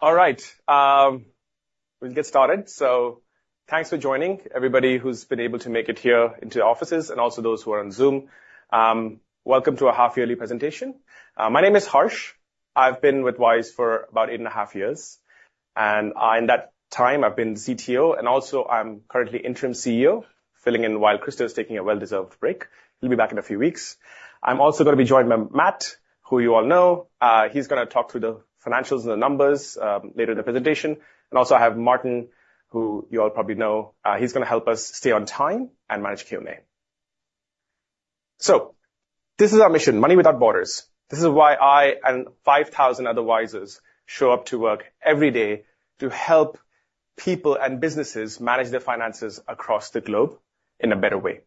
All right, we'll get started. So thanks for joining, everybody who's been able to make it here into the offices and also those who are on Zoom. Welcome to our half-yearly presentation. My name is Harsh. I've been with Wise for about eight and a half years, and in that time I've been the CTO and also I'm currently Interim CEO, filling in while Kristo is taking a well-deserved break. He'll be back in a few weeks. I'm also going to be joined by Matt, who you all know. He's going to talk through the financials and the numbers later in the presentation. Also, I have Martin, who you all probably know. He's going to help us stay on time and manage Q&A. So this is our mission, money without borders. This is why I and 5,000 other Wisers show up to work every day to help people and businesses manage their finances across the globe in a better way.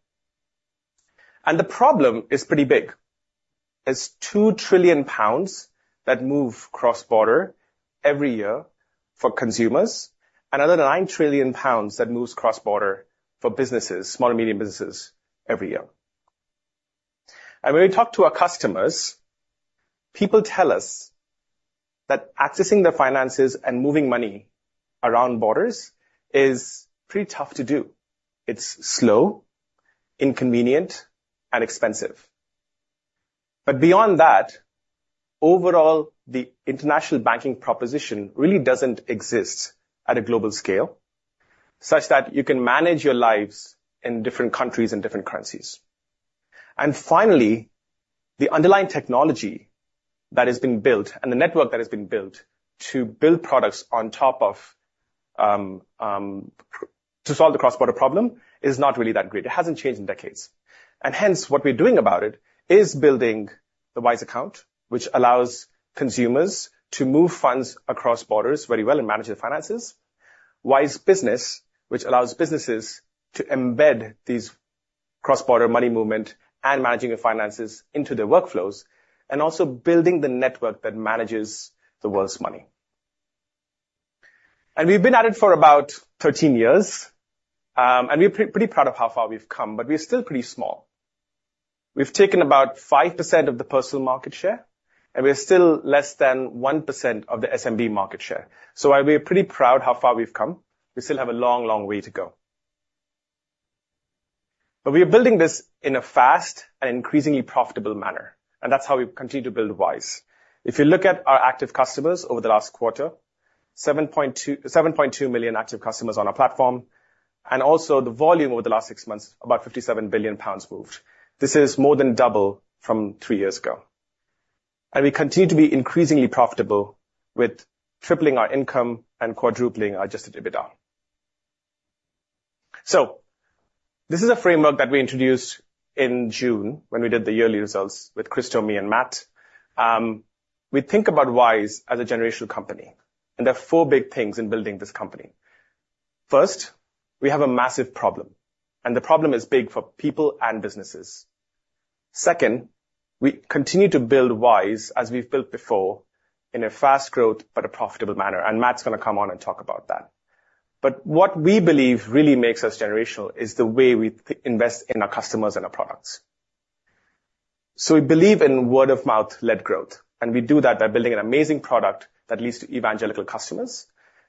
And the problem is pretty big. There's 2 trillion pounds that move cross-border every year for consumers, another 9 trillion pounds that moves cross-border for businesses, small and medium businesses, every year. And when we talk to our customers, people tell us that accessing their finances and moving money around borders is pretty tough to do. It's slow, inconvenient, and expensive. But beyond that, overall, the international banking proposition really doesn't exist at a global scale, such that you can manage your lives in different countries and different currencies. And finally, the underlying technology that has been built and the network that has been built to build products on top of. To solve the cross-border problem is not really that great. It hasn't changed in decades. And hence, what we're doing about it is building the Wise Account, which allows consumers to move funds across borders very well and manage their finances. Wise Business, which allows businesses to embed these cross-border money movement and managing their finances into their workflows, and also building the network that manages the world's money. And we've been at it for about 13 years, and we're pretty proud of how far we've come, but we're still pretty small. We've taken about 5% of the personal market share, and we're still less than 1% of the SMB market share. So while we're pretty proud how far we've come, we still have a long, long way to go. But we are building this in a fast and increasingly profitable manner, and that's how we continue to build Wise. If you look at our active customers over the last quarter, 7.2 million active customers on our platform, and also the volume over the last six months, about 57 billion pounds moved. This is more than double from three years ago. We continue to be increasingly profitable with tripling our income and quadrupling our adjusted EBITDA. So this is a framework that we introduced in June when we did the yearly results with Kristo, me, and Matt. We think about Wise as a generational company, and there are four big things in building this company. First, we have a massive problem, and the problem is big for people and businesses. Second, we continue to build Wise, as we've built before, in a fast growth but a profitable manner, and Matt's going to come on and talk about that. But what we believe really makes us generational is the way we invest in our customers and our products. So we believe in word-of-mouth-led growth, and we do that by building an amazing product that leads to evangelical customers,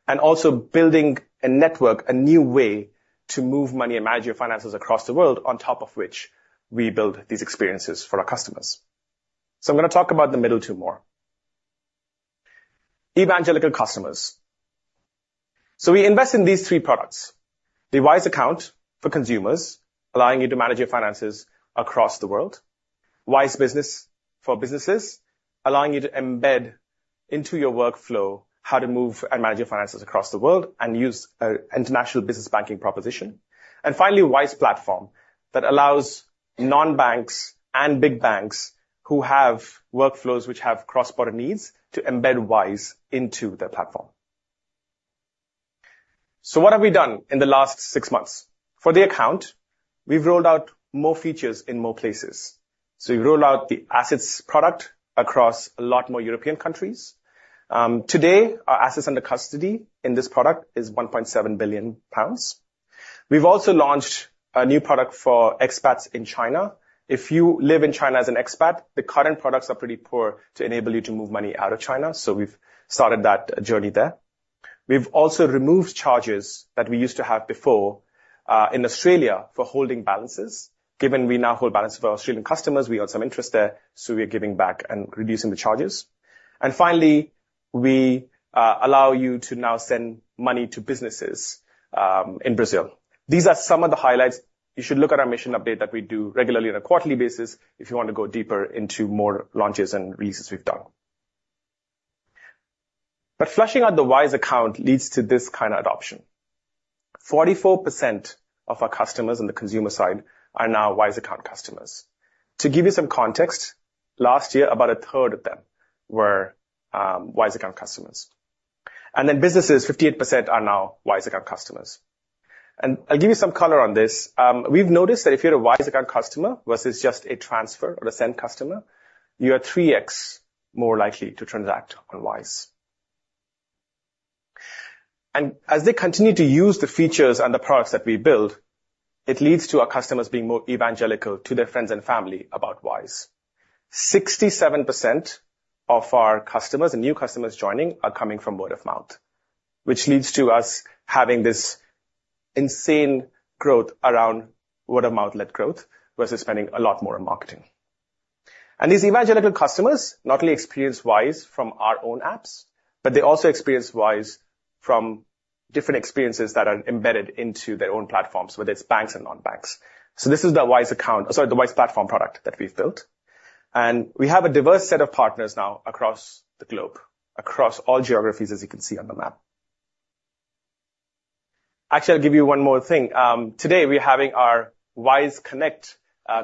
and also building a network, a new way to move money and manage your finances across the world, on top of which we build these experiences for our customers. So I'm going to talk about the middle two more. Evangelical customers. So we invest in these three products, the Wise Account for consumers, allowing you to manage your finances across the world. Wise Business for businesses, allowing you to embed into your workflow how to move and manage your finances across the world, and use an international business banking proposition. And finally, Wise Platform, that allows non-banks and big banks who have workflows which have cross-border needs to embed Wise into their platform. So what have we done in the last six months? For the account, we've rolled out more features in more places. So we've rolled out the Assets product across a lot more European countries. Today, our Assets under custody in this product is 1.7 billion pounds. We've also launched a new product for expats in China. If you live in China as an expat, the current products are pretty poor to enable you to move money out of China, so we've started that journey there. We've also removed charges that we used to have before in Australia for holding balances. Given we now hold balances for our Australian customers, we earn some interest there, so we are giving back and reducing the charges. And finally, we allow you to now send money to businesses in Brazil. These are some of the highlights. You should look at our mission update that we do regularly on a quarterly basis if you want to go deeper into more launches and releases we've done. But fleshing out the Wise Account leads to this kind of adoption. 44% of our customers on the consumer side are now Wise Account customers. To give you some context, last year, about 1/3 of them were Wise Account customers. And then businesses, 58% are now Wise Account customers. And I'll give you some color on this. We've noticed that if you're a Wise Account customer versus just a transfer or a send customer, you are 3x more likely to transact on Wise. And as they continue to use the features and the products that we build, it leads to our customers being more evangelical to their friends and family about Wise. 67% of our customers and new customers joining are coming from word of mouth, which leads to us having this insane growth around word-of-mouth-led growth, versus spending a lot more on marketing. These evangelical customers not only experience Wise from our own apps, but they also experience Wise from different experiences that are embedded into their own platforms, whether it's banks or non-banks. This is the Wise Account, sorry, the Wise Platform product that we've built. We have a diverse set of partners now across the globe, across all geographies, as you can see on the map. Actually, I'll give you one more thing. Today, we're having our Wise Connect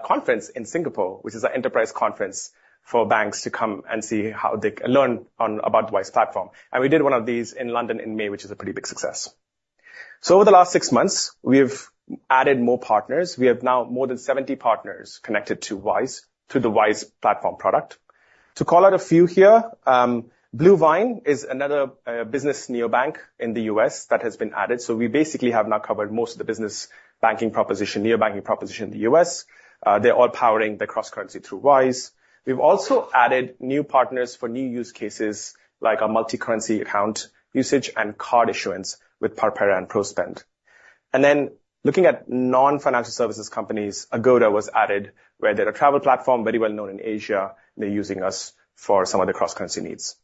conference in Singapore, which is our enterprise conference for banks to come and see how they can learn about the Wise Platform. We did one of these in London in May, which was a pretty big success. Over the last six months, we've added more partners. We have now more than 70 partners connected to Wise, through the Wise Platform product. To call out a few here, Bluevine is another business neobank in the U.S. that has been added. So we basically have now covered most of the business banking proposition, neobanking proposition in the U.S. They're all powering their cross-currency through Wise. We've also added new partners for new use cases, like our multicurrency account usage and card issuance with Papara and ProSpend. And then looking at non-financial services companies, Agoda was added, where they're a travel platform, very well known in Asia. They're using us for some of their cross-currency needs.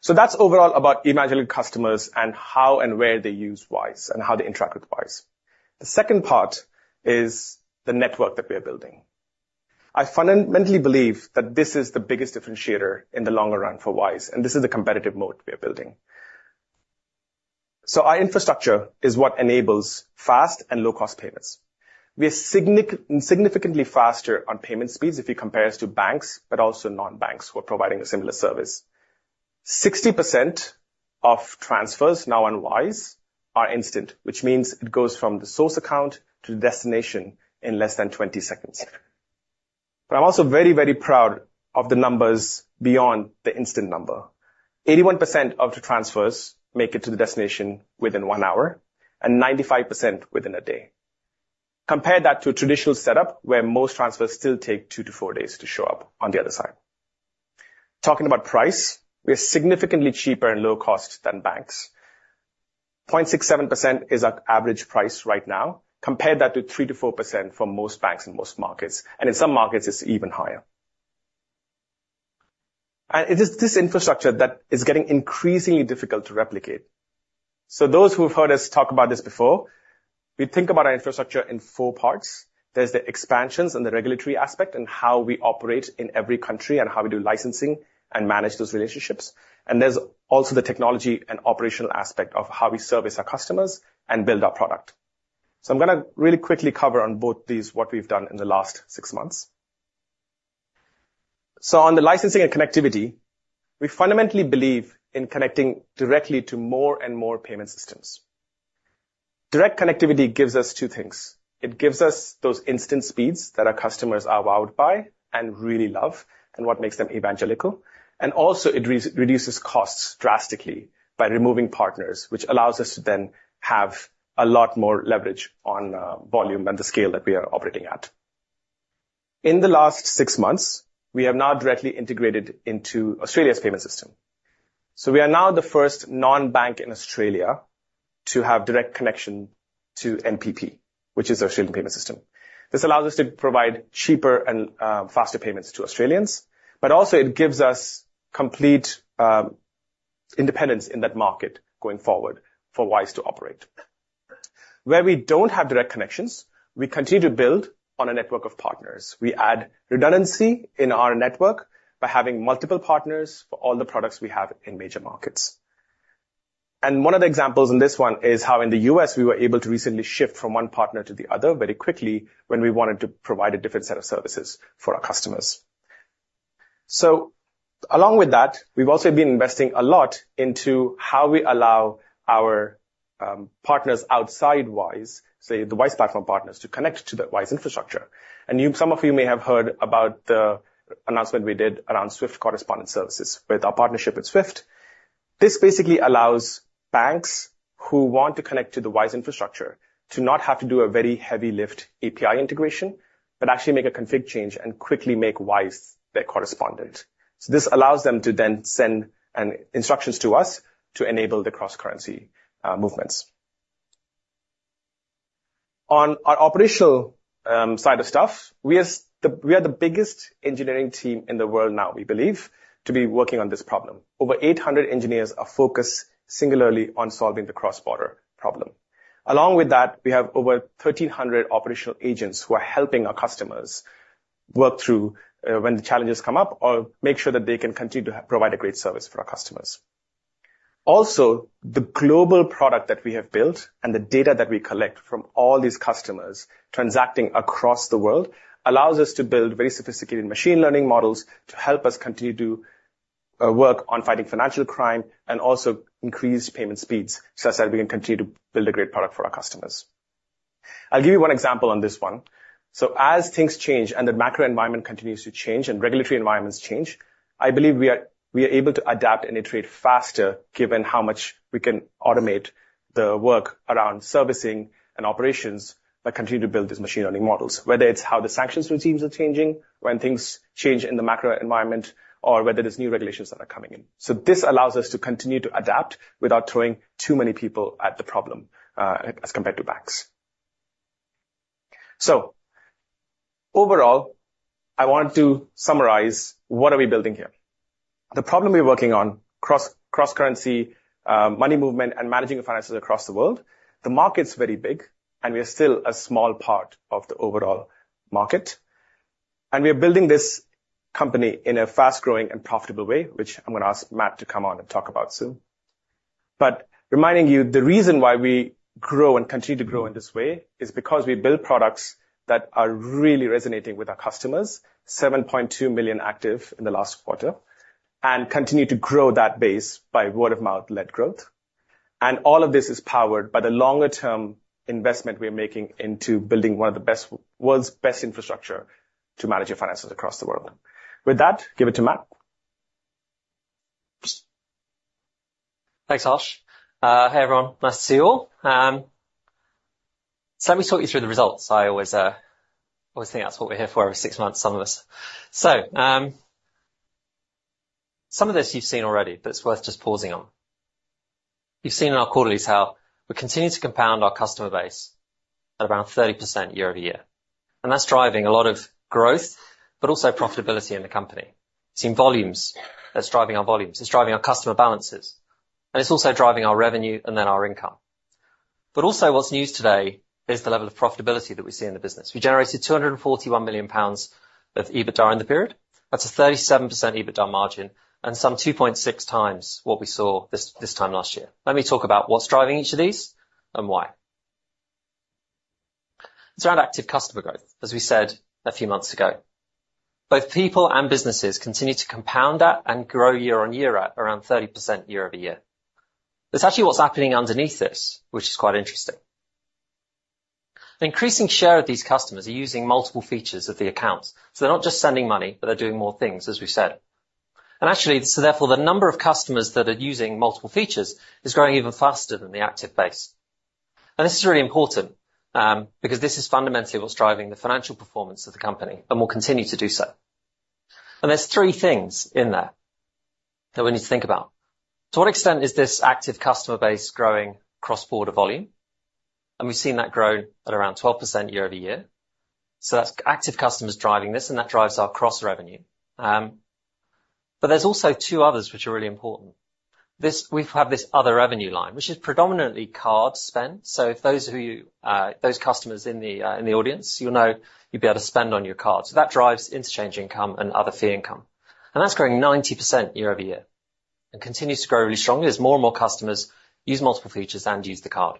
So that's overall about imagining customers and how and where they use Wise and how they interact with Wise. The second part is the network that we are building. I fundamentally believe that this is the biggest differentiator in the longer run for Wise, and this is the competitive moat we are building. So our infrastructure is what enables fast and low-cost payments. We are significantly faster on payment speeds if you compare us to banks, but also non-banks who are providing a similar service. 60% of transfers now on Wise are instant, which means it goes from the source account to the destination in less than 20 seconds. But I'm also very, very proud of the numbers beyond the instant number. 81% of the transfers make it to the destination within one hour and 95% within a day. Compare that to a traditional setup, where most transfers still take two to four days to show up on the other side. Talking about price, we are significantly cheaper and lower cost than banks. 0.67% is our average price right now. Compare that to 3%-4% for most banks in most markets, and in some markets, it's even higher. It is this infrastructure that is getting increasingly difficult to replicate. Those who have heard us talk about this before, we think about our infrastructure in four parts. There's the expansions and the regulatory aspect, and how we operate in every country, and how we do licensing and manage those relationships. There's also the technology and operational aspect of how we service our customers and build our product. I'm going to really quickly cover on both these, what we've done in the last six months. On the licensing and connectivity, we fundamentally believe in connecting directly to more and more payment systems. Direct connectivity gives us two things. It gives us those instant speeds that our customers are wowed by and really love, and what makes them evangelical. And also it reduces costs drastically by removing partners, which allows us to then have a lot more leverage on volume and the scale that we are operating at. In the last six months, we have now directly integrated into Australia's payment system. So we are now the first non-bank in Australia to have direct connection to NPP, which is the Australian payment system. This allows us to provide cheaper and faster payments to Australians, but also it gives us complete independence in that market going forward for Wise to operate. Where we don't have direct connections, we continue to build on a network of partners. We add redundancy in our network by having multiple partners for all the products we have in major markets. One of the examples in this one is how in the U.S., we were able to recently shift from one partner to the other very quickly when we wanted to provide a different set of services for our customers. So along with that, we've also been investing a lot into how we allow our partners outside Wise, say, the Wise Platform partners, to connect to the Wise Infrastructure. Some of you may have heard about the announcement we did around SWIFT Correspondent Services with our partnership with SWIFT. This basically allows banks who want to connect to the Wise Infrastructure to not have to do a very heavy lift API integration, but actually make a config change and quickly make Wise their correspondent. So this allows them to then send an instructions to us to enable the cross-currency movements. On our operational side of stuff, we are the biggest engineering team in the world now, we believe, to be working on this problem. Over 800 engineers are focused singularly on solving the cross-border problem. Along with that, we have over 1,300 operational agents who are helping our customers work through when the challenges come up or make sure that they can continue to provide a great service for our customers. Also, the global product that we have built and the data that we collect from all these customers transacting across the world allows us to build very sophisticated machine learning models to help us continue to work on fighting financial crime and also increase payment speeds, such that we can continue to build a great product for our customers. I'll give you one example on this one. So as things change, and the macro environment continues to change, and regulatory environments change, I believe we are able to adapt and iterate faster, given how much we can automate the work around servicing and operations that continue to build these machine learning models. Whether it's how the sanctions routines are changing, when things change in the macro environment, or whether there's new regulations that are coming in. So this allows us to continue to adapt without throwing too many people at the problem, as compared to banks. So overall, I want to summarize, what are we building here? The problem we're working on, cross-currency money movement and managing the finances across the world. The market's very big, and we are still a small part of the overall market. We are building this company in a fast-growing and profitable way, which I'm going to ask Matt to come on and talk about soon. But reminding you, the reason why we grow and continue to grow in this way is because we build products that are really resonating with our customers, 7.2 million active in the last quarter, and continue to grow that base by word-of-mouth-led growth. And all of this is powered by the longer-term investment we are making into building one of the best world's best infrastructure to manage your finances across the world. With that, give it to Matt. Thanks, Harsh. Hey, everyone. Nice to see you all. So let me talk you through the results. I always, always think that's what we're here for every six months, some of us. So, some of this you've seen already, but it's worth just pausing on. You've seen in our quarterlies how we're continuing to compound our customer base at around 30% year-over-year, and that's driving a lot of growth, but also profitability in the company. It's in volumes. It's driving our volumes, it's driving our customer balances, and it's also driving our revenue and then our income. But also what's news today is the level of profitability that we see in the business. We generated 241 million pounds of EBITDA in the period. That's a 37% EBITDA margin and some 2.6x what we saw this time last year. Let me talk about what's driving each of these and why. It's around active customer growth, as we said a few months ago. Both people and businesses continue to compound that and grow year-on-year at around 30% year-over-year. It's actually what's happening underneath this, which is quite interesting. An increasing share of these customers are using multiple features of the accounts, so they're not just sending money, but they're doing more things, as we've said. And actually, so therefore, the number of customers that are using multiple features is growing even faster than the active base. And this is really important, because this is fundamentally what's driving the financial performance of the company and will continue to do so. There's three things in there that we need to think about. To what extent is this active customer base growing cross-border volume? We've seen that grow at around 12% year-over-year. So that's active customers driving this, and that drives our cross revenue. But there's also two others which are really important. We have this other revenue line, which is predominantly card spend. So if those of you, those customers in the, in the audience, you'll know you'll be able to spend on your card. So that drives interchange income and other fee income, and that's growing 90% year-over-year and continues to grow really strongly as more and more customers use multiple features and use the card.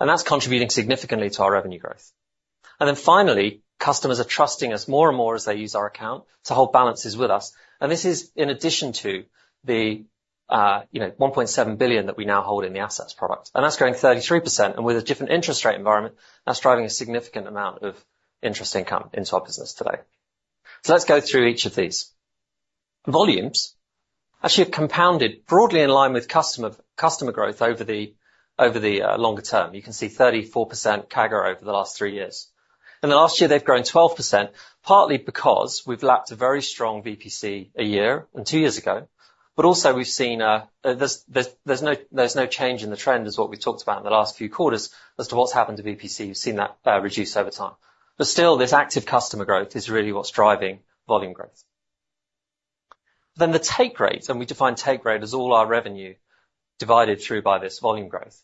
And that's contributing significantly to our revenue growth. And then finally, customers are trusting us more and more as they use our account to hold balances with us, and this is in addition to the, you know, 1.7 billion that we now hold in the Assets product, and that's growing 33%. And with a different interest rate environment, that's driving a significant amount of interest income into our business today. So let's go through each of these. Volumes actually have compounded broadly in line with customer growth over the longer term. You can see 34% CAGR over the last three years. In the last year, they've grown 12%, partly because we've lapped a very strong VPC a year and two years ago, but also we've seen a. There's no change in the trend is what we've talked about in the last few quarters as to what's happened to VPC. We've seen that reduce over time. But still, this active customer growth is really what's driving volume growth. Then the take rate, and we define take rate as all our revenue divided through by this volume growth,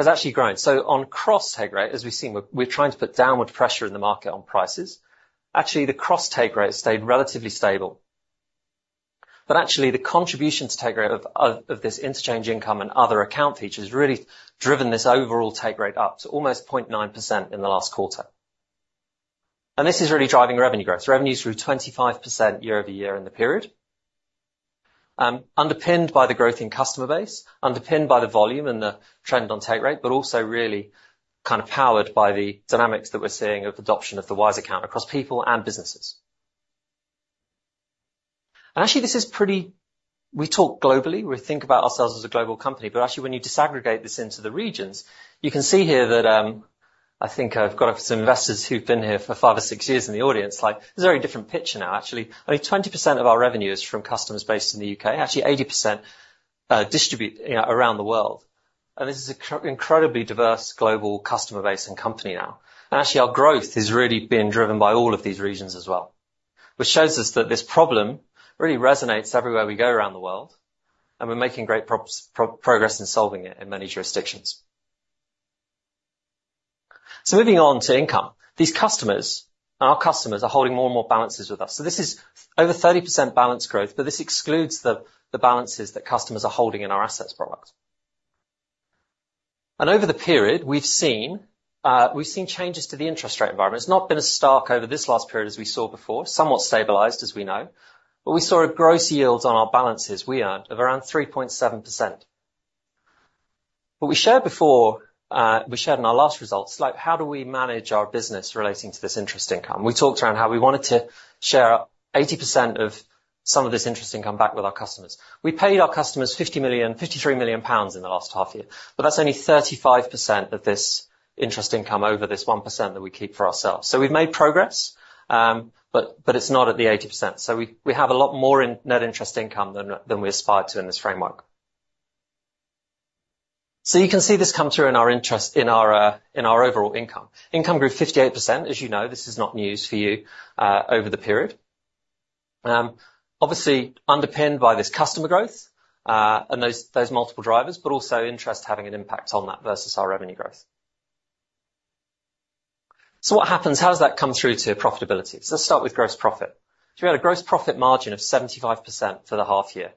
has actually grown. So on cross take rate, as we've seen, we're trying to put downward pressure in the market on prices. Actually, the cross take rate has stayed relatively stable. But actually, the contribution to take rate of this interchange income and other account features has really driven this overall take rate up to almost 0.9% in the last quarter. And this is really driving revenue growth. Revenue is through 25% year-over-year in the period, underpinned by the growth in customer base, underpinned by the volume and the trend on take rate, but also really kind of powered by the dynamics that we're seeing of adoption of the Wise Account across people and businesses. And actually, this is pretty. We talk globally, we think about ourselves as a global company, but actually, when you disaggregate this into the regions, you can see here that, I think I've got some investors who've been here for five or six years in the audience. Like, it's a very different picture now, actually. Only 20% of our revenue is from customers based in the U.K. Actually, 80% distribute, you know, around the world. And this is a incredibly diverse global customer base and company now. And actually, our growth is really being driven by all of these regions as well, which shows us that this problem really resonates everywhere we go around the world, and we're making great progress in solving it in many jurisdictions. Moving on to income. These customers, our customers, are holding more and more balances with us. This is over 30% balance growth, but this excludes the, the balances that customers are holding in our Assets product. And over the period we've seen, we've seen changes to the interest rate environment. It's not been as stark over this last period as we saw before, somewhat stabilized, as we know. But we saw a gross yields on our balances we earned of around 3.7%. But we shared before, we shared in our last results, like, how do we manage our business relating to this interest income? We talked around how we wanted to share 80% of some of this interest income back with our customers. We paid our customers 53 million pounds in the last half-year, but that's only 35% of this interest income over this 1% that we keep for ourselves. So we've made progress, but, but it's not at the 80%. So we, we have a lot more in net interest income than, than we aspired to in this framework. So you can see this come through in our interest, in our, in our overall income. Income grew 58%, as you know, this is not news for you, over the period. Obviously, underpinned by this customer growth, and those multiple drivers, but also interest having an impact on that versus our revenue growth. So what happens? How does that come through to profitability? So let's start with gross profit. So we had a gross profit margin of 75% for the half-year,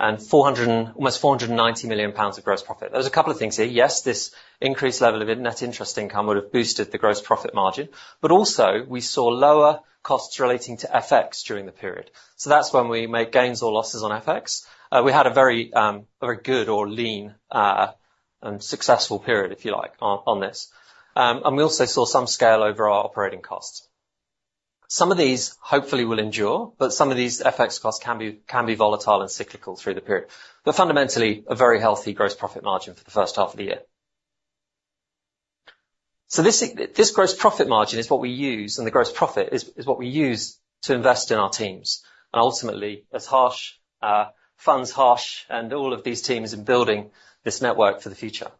and almost 490 million pounds of gross profit. There's a couple of things here. Yes, this increased level of net interest income would have boosted the gross profit margin, but also, we saw lower costs relating to FX during the period. So that's when we make gains or losses on FX. We had a very good or lean and successful period, if you like, on this. And we also saw some scale over our operating costs. Some of these, hopefully, will endure, but some of these FX costs can be, can be volatile and cyclical through the period. But fundamentally, a very healthy gross profit margin for the first half of the year. So this, this gross profit margin is what we use, and the gross profit is, is what we use to invest in our teams, and ultimately, as Harsh funds Harsh and all of these teams in building this network for the future.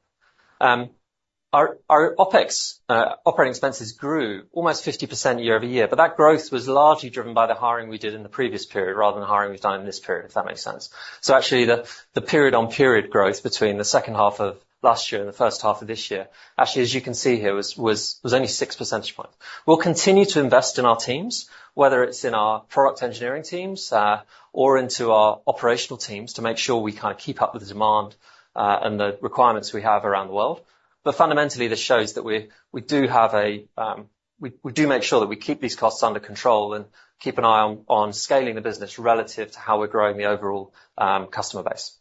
Our OPEX, operating expenses grew almost 50% year-over-year, but that growth was largely driven by the hiring we did in the previous period, rather than the hiring we've done in this period, if that makes sense. So actually, the period-on-period growth between the second half of last year and the first half of this year, actually, as you can see here, was only six percentage points. We'll continue to invest in our teams, whether it's in our product engineering teams, or into our operational teams, to make sure we kind of keep up with the demand, and the requirements we have around the world. But fundamentally, this shows that we do have a. We do make sure that we keep these costs under control and keep an eye on scaling the business relative to how we're growing the overall customer base.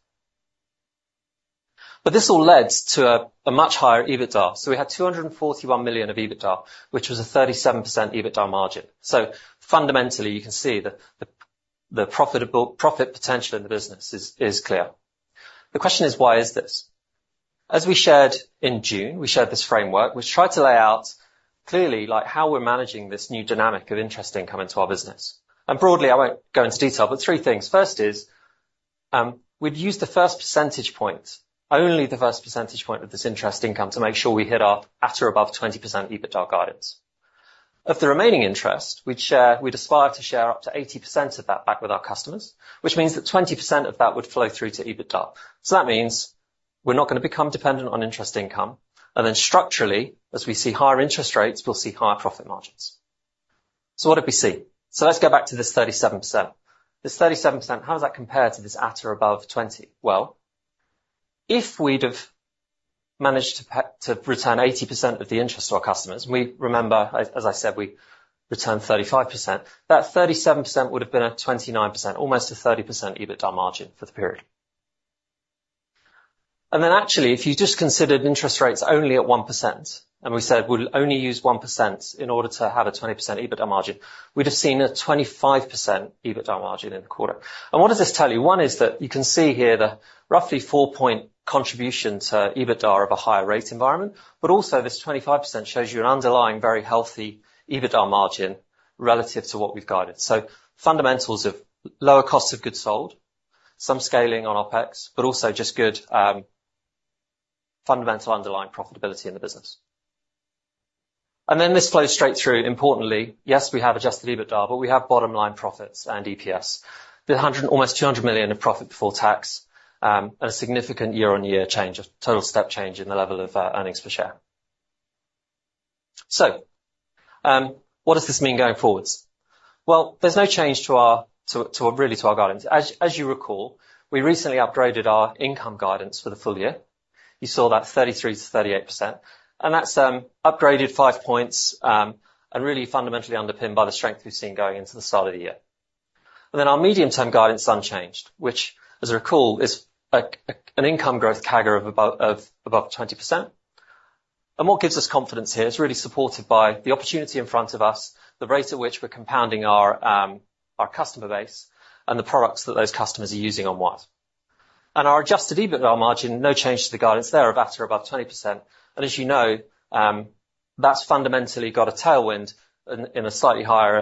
But this all led to a much higher EBITDA. So we had 241 million of EBITDA, which was a 37% EBITDA margin. So fundamentally, you can see the profitable profit potential in the business is clear. The question is, why is this? As we shared in June, we shared this framework, which tried to lay out clearly, like, how we're managing this new dynamic of interest income into our business. And broadly, I won't go into detail, but three things. First is, we'd use the first percentage point, only the first percentage point of this interest income, to make sure we hit our at or above 20% EBITDA guidance. Of the remaining interest, we'd share, we'd aspire to share up to 80% of that back with our customers, which means that 20% of that would flow through to EBITDA. So that means we're not gonna become dependent on interest income, and then structurally, as we see higher interest rates, we'll see higher profit margins. So what did we see? So let's go back to this 37%. This 37%, how does that compare to this at or above 20? Well, if we'd have managed to return 80% of the interest to our customers, and remember, as, as I said, we returned 35%. That 37% would have been a 29%, almost a 30% EBITDA margin for the period. And then actually, if you just considered interest rates only at 1%, and we said we'd only use 1% in order to have a 20% EBITDA margin, we'd have seen a 25% EBITDA margin in the quarter. And what does this tell you? One is that you can see here the roughly 4-point contribution to EBITDA of a higher rate environment, but also this 25% shows you an underlying very healthy EBITDA margin relative to what we've guided. So fundamentals of lower cost of goods sold, some scaling on OPEX, but also just good, fundamental underlying profitability in the business. And then this flows straight through, importantly, yes, we have adjusted EBITDA, but we have bottom line profits and EPS. The 100, almost 200 million in profit before tax, and a significant year-on-year change, a total step change in the level of, earnings per share. So, what does this mean going forwards? Well, there's no change to our, really, to our guidance. As you recall, we recently upgraded our income guidance for the full year. You saw that 33%-38%, and that's upgraded five points, and really fundamentally underpinned by the strength we've seen going into the start of the year. Then our medium-term guidance unchanged, which, as you recall, is an income growth CAGR of above 20%. And what gives us confidence here is really supported by the opportunity in front of us, the rate at which we're compounding our, our customer base, and the products that those customers are using on Wise. And our adjusted EBITDA margin, no change to the guidance there, of at or above 20%. And as you know, that's fundamentally got a tailwind in, in a slightly higher,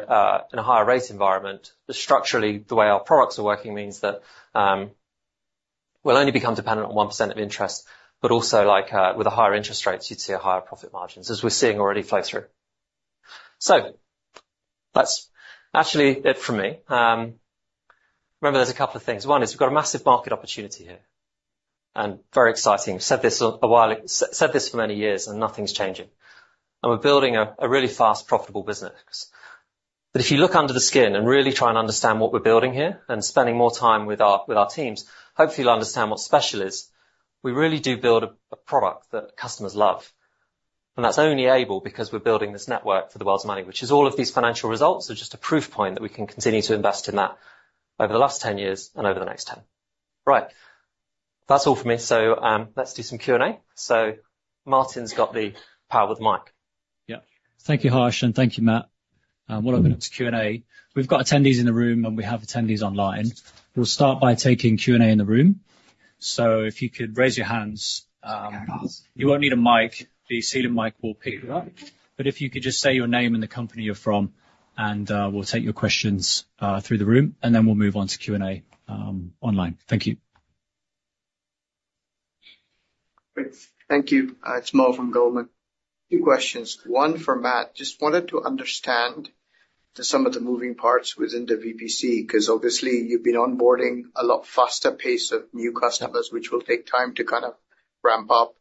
in a higher rate environment. But structurally, the way our products are working means that we'll only become dependent on 1% of interest, but also, like, with the higher interest rates, you'd see our higher profit margins, as we're seeing already flow through. So that's actually it for me. Remember, there's a couple of things. One is we've got a massive market opportunity here, and very exciting. Said this a while ago, said this for many years, and nothing's changing. And we're building a really fast, profitable business. But if you look under the skin and really try and understand what we're building here, and spending more time with our teams, hopefully you'll understand what's special is we really do build a product that customers love. That's only able because we're building this network for the world's money, which, all of these financial results, are just a proof point that we can continue to invest in that over the last 10 years and over the next 10. Right, that's all for me. Let's do some Q&A. Martin's got the powered mic. Yeah. Thank you, Harsh, and thank you, Matt. We'll open up to Q&A. We've got attendees in the room, and we have attendees online. We'll start by taking Q&A in the room, so if you could raise your hands. You won't need a mic. The ceiling mic will pick you up. But if you could just say your name and the company you're from, and we'll take your questions through the room, and then we'll move on to Q&A online. Thank you. Great. Thank you. It's Mo from Goldman. Two questions, one for Matt. Just wanted to understand to some of the moving parts within the VPC, 'cause obviously, you've been onboarding a lot faster pace of new customers, which will take time to kind of ramp up.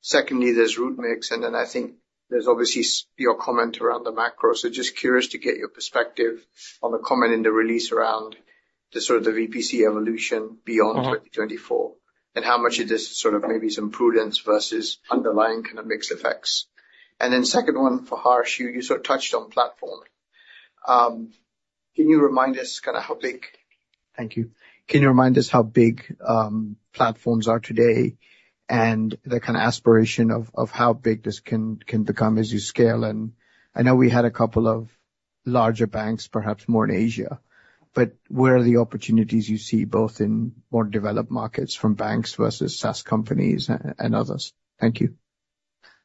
Secondly, there's route mix, and then I think there's obviously your comment around the macro. So just curious to get your perspective on the comment in the release around the sort of the VPC evolution beyond. Mm-hmm. 2024, and how much of this is sort of maybe some prudence versus underlying kind of mixed effects. And then second one, for Harsh, you, you sort of touched on platform. Can you remind us kind of how big. Thank you. Can you remind us how big platforms are today, and the kind of aspiration of how big this can become as you scale? And I know we had a couple of larger banks, perhaps more in Asia, but where are the opportunities you see both in more developed markets, from banks versus SaaS companies and others? Thank you.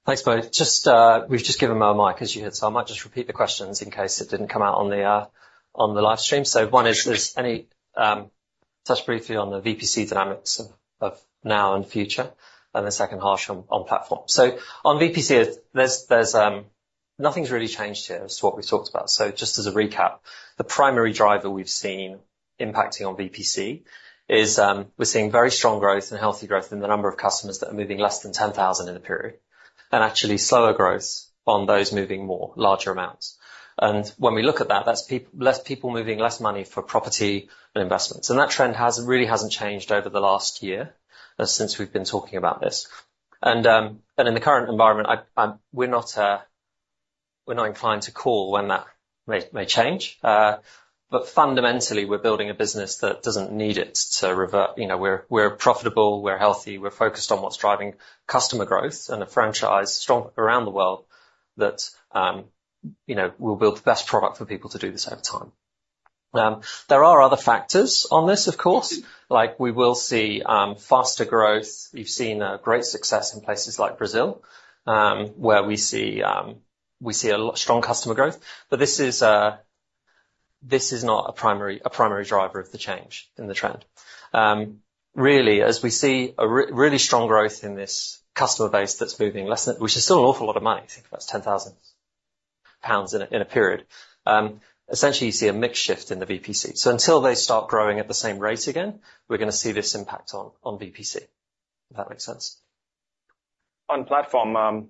Thanks, both. Just, we've just given Mo a mic, as you heard, so I might just repeat the questions in case it didn't come out on the on the live stream. So one is there's any. Touch briefly on the VPC dynamics of now and future, and the second, Harsh, on platform. So on VPC, there's nothing's really changed here. It's what we talked about. So just as a recap, the primary driver we've seen impacting on VPC is we're seeing very strong growth and healthy growth in the number of customers that are moving less than 10,000 in a period, and actually slower growth on those moving more, larger amounts. And when we look at that, that's less people moving less money for property and investments. That trend hasn't really changed over the last year since we've been talking about this. In the current environment, we're not inclined to call when that may change, but fundamentally, we're building a business that doesn't need it to revert. You know, we're profitable, we're healthy, we're focused on what's driving customer growth and a franchise strong around the world that, you know, we'll build the best product for people to do this over time. There are other factors on this, of course, like we will see faster growth. We've seen great success in places like Brazil, where we see strong customer growth, but this is not a primary driver of the change in the trend. Really, as we see really strong growth in this customer base that's moving less than. Which is still an awful lot of money, think that's 10,000 pounds in a period. Essentially, you see a mix shift in the VPC. Until they start growing at the same rate again, we're gonna see this impact on VPC, if that makes sense. On platform,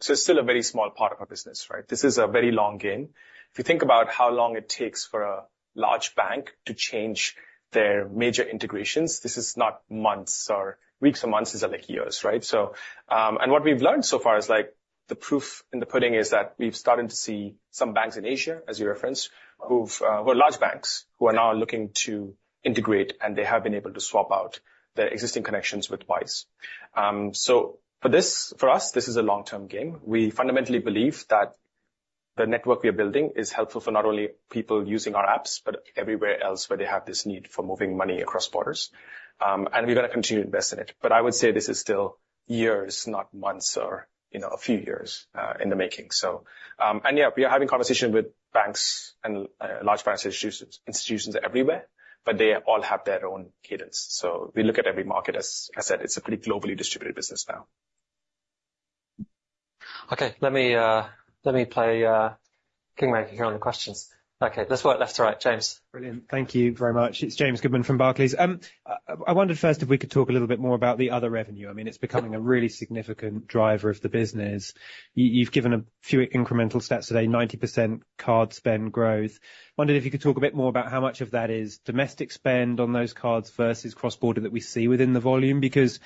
so it's still a very small part of our business, right? This is a very long game. If you think about how long it takes for a large bank to change their major integrations, this is not months or weeks or months, these are like years, right? So, and what we've learned so far is, like, the proof in the pudding is that we've started to see some banks in Asia, as you referenced. Mm-hmm. Who've who are large banks, who are now looking to integrate, and they have been able to swap out their existing connections with Wise. So for this, for us, this is a long-term game. We fundamentally believe that the network we are building is helpful for not only people using our apps, but everywhere else where they have this need for moving money across borders. And we're going to continue to invest in it. But I would say this is still years, not months, or, you know, a few years, in the making. So, and yeah, we are having conversation with banks and large financial institutions everywhere, but they all have their own cadence. So we look at every market. As I said, it's a pretty globally distributed business now. Okay, let me, let me play kingmaker here on the questions. Okay, let's work left to right. James. Brilliant. Thank you very much. It's James Goodman from Barclays. I wondered first if we could talk a little bit more about the other revenue. I mean, it's becoming a really significant driver of the business. You, you've given a few incremental stats today, 90% card spend growth. Wondered if you could talk a bit more about how much of that is domestic spend on those cards versus cross-border that we see within the volume, because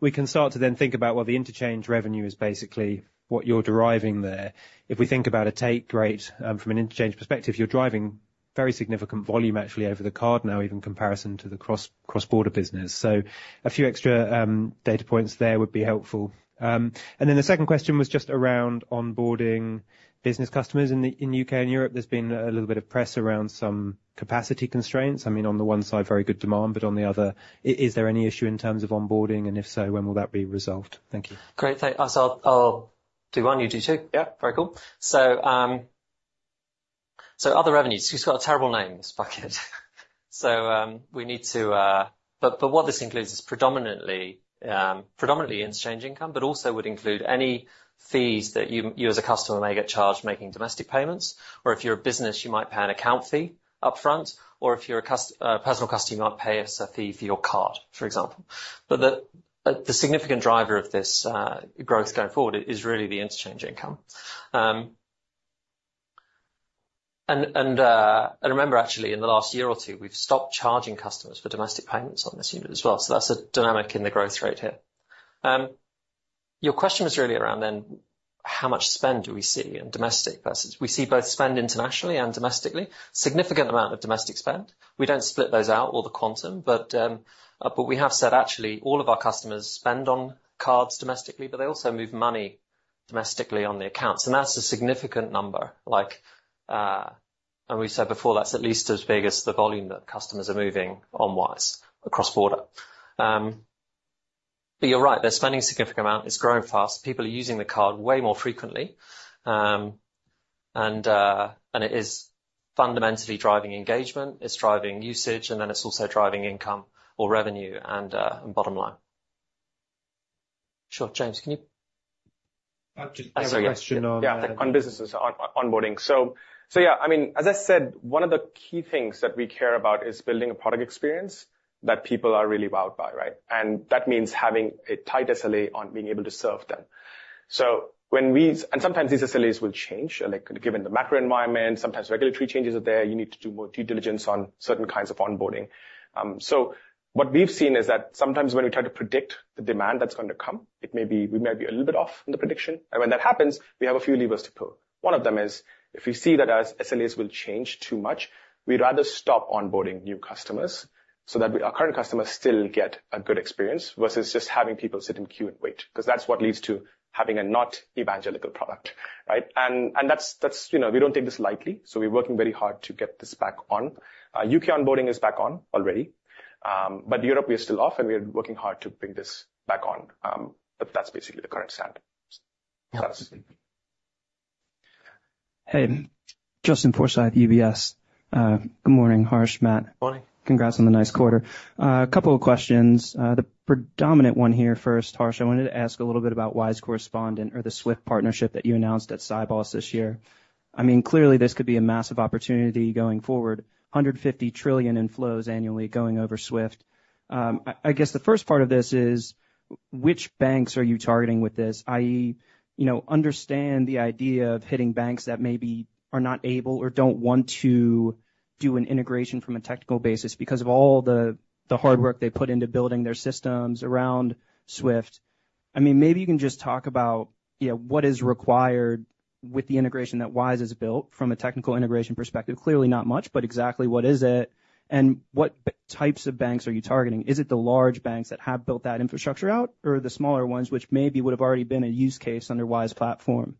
we can start to then think about, well, the interchange revenue is basically what you're deriving there. If we think about a take rate, from an interchange perspective, you're driving very significant volume actually over the card now, even comparison to the cross-border business. So a few extra, data points there would be helpful. And then the second question was just around onboarding business customers. In U.K. and Europe, there's been a little bit of press around some capacity constraints. I mean, on the one side, very good demand, but on the other, is there any issue in terms of onboarding, and if so, when will that be resolved? Thank you. Great. Thanks. So I'll, I'll do one, you do two? Yeah, very cool. So, so other revenues, it's got a terrible name, this bucket. So, we need to. But, but what this includes is predominantly, predominantly interchange income, but also would include any fees that you, you as a customer may get charged making domestic payments. Or if you're a business, you might pay an account fee upfront, or if you're a personal customer, you might pay us a fee for your card, for example. But the, the significant driver of this, growth going forward is really the interchange income. And, and, and remember, actually, in the last year or two, we've stopped charging customers for domestic payments on this unit as well. So that's a dynamic in the growth rate here. Your question was really around, then, how much spend do we see in domestic versus. We see both spend internationally and domestically. Significant amount of domestic spend. We don't split those out, or the quantum, but we have said, actually, all of our customers spend on cards domestically, but they also move money domestically on the accounts, and that's a significant number. Like, and we said before, that's at least as big as the volume that customers are moving on Wise across border. But you're right, they're spending a significant amount. It's growing fast. People are using the card way more frequently. And it is fundamentally driving engagement, it's driving usage, and then it's also driving income or revenue and bottom line. Sure. James, can you. I have a question on. Yeah, on businesses onboarding. So yeah, I mean, as I said, one of the key things that we care about is building a product experience that people are really wowed by, right? And that means having a tight SLA on being able to serve them. So when we, and sometimes these SLAs will change, like, given the macro environment, sometimes regulatory changes are there. You need to do more due diligence on certain kinds of onboarding. So what we've seen is that sometimes when we try to predict the demand that's going to come, it may be, we may be a little bit off in the prediction, and when that happens, we have a few levers to pull. One of them is, if we see that our SLAs will change too much, we'd rather stop onboarding new customers so that we, our current customers still get a good experience, versus just having people sit in queue and wait, because that's what leads to having a not evangelical product, right? And that's, you know, we don't take this lightly, so we're working very hard to get this back on. U.K. onboarding is back on already, but Europe, we are still off, and we are working hard to bring this back on. But that's basically the current status. Yeah. Hey. Justin Forsythe, UBS. Good morning, Harsh, Matt. Morning. Congrats on the nice quarter. A couple of questions. The predominant one here, first, Harsh, I wanted to ask a little bit about Wise Correspondent or the SWIFT partnership that you announced at Sibos this year. I mean, clearly, this could be a massive opportunity going forward, 150 trillion in flows annually going over SWIFT. I guess the first part of this is which banks are you targeting with this? i.e., you know, understand the idea of hitting banks that maybe are not able or don't want to do an integration from a technical basis because of all the, the hard work they put into building their systems around SWIFT. I mean, maybe you can just talk about, you know, what is required with the integration that Wise has built from a technical integration perspective. Clearly, not much, but exactly what is it, and what types of banks are you targeting? Is it the large banks that have built that infrastructure out, or the smaller ones, which maybe would have already been a use case under Wise Platform?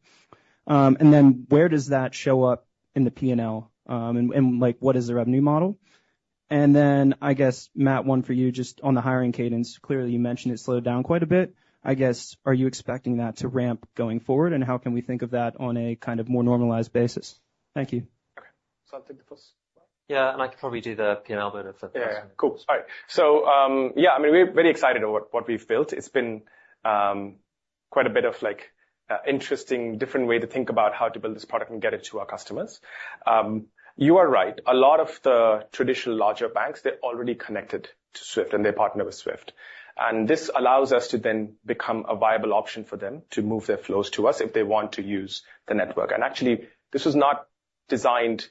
And then where does that show up in the P&L? And, like, what is the revenue model? And then, I guess, Matt, one for you, just on the hiring cadence. Clearly, you mentioned it slowed down quite a bit. I guess, are you expecting that to ramp going forward? And how can we think of that on a kind of more normalized basis? Thank you. Okay. So I'll take the first one. Yeah, and I can probably do the P&L bit if. Yeah. Cool. All right. So, yeah, I mean, we're very excited about what we've built. It's been quite a bit of, like, interesting, different way to think about how to build this product and get it to our customers. You are right. A lot of the traditional larger banks, they're already connected to SWIFT, and they partner with SWIFT. And this allows us to then become a viable option for them to move their flows to us if they want to use the network. And actually, this was not designed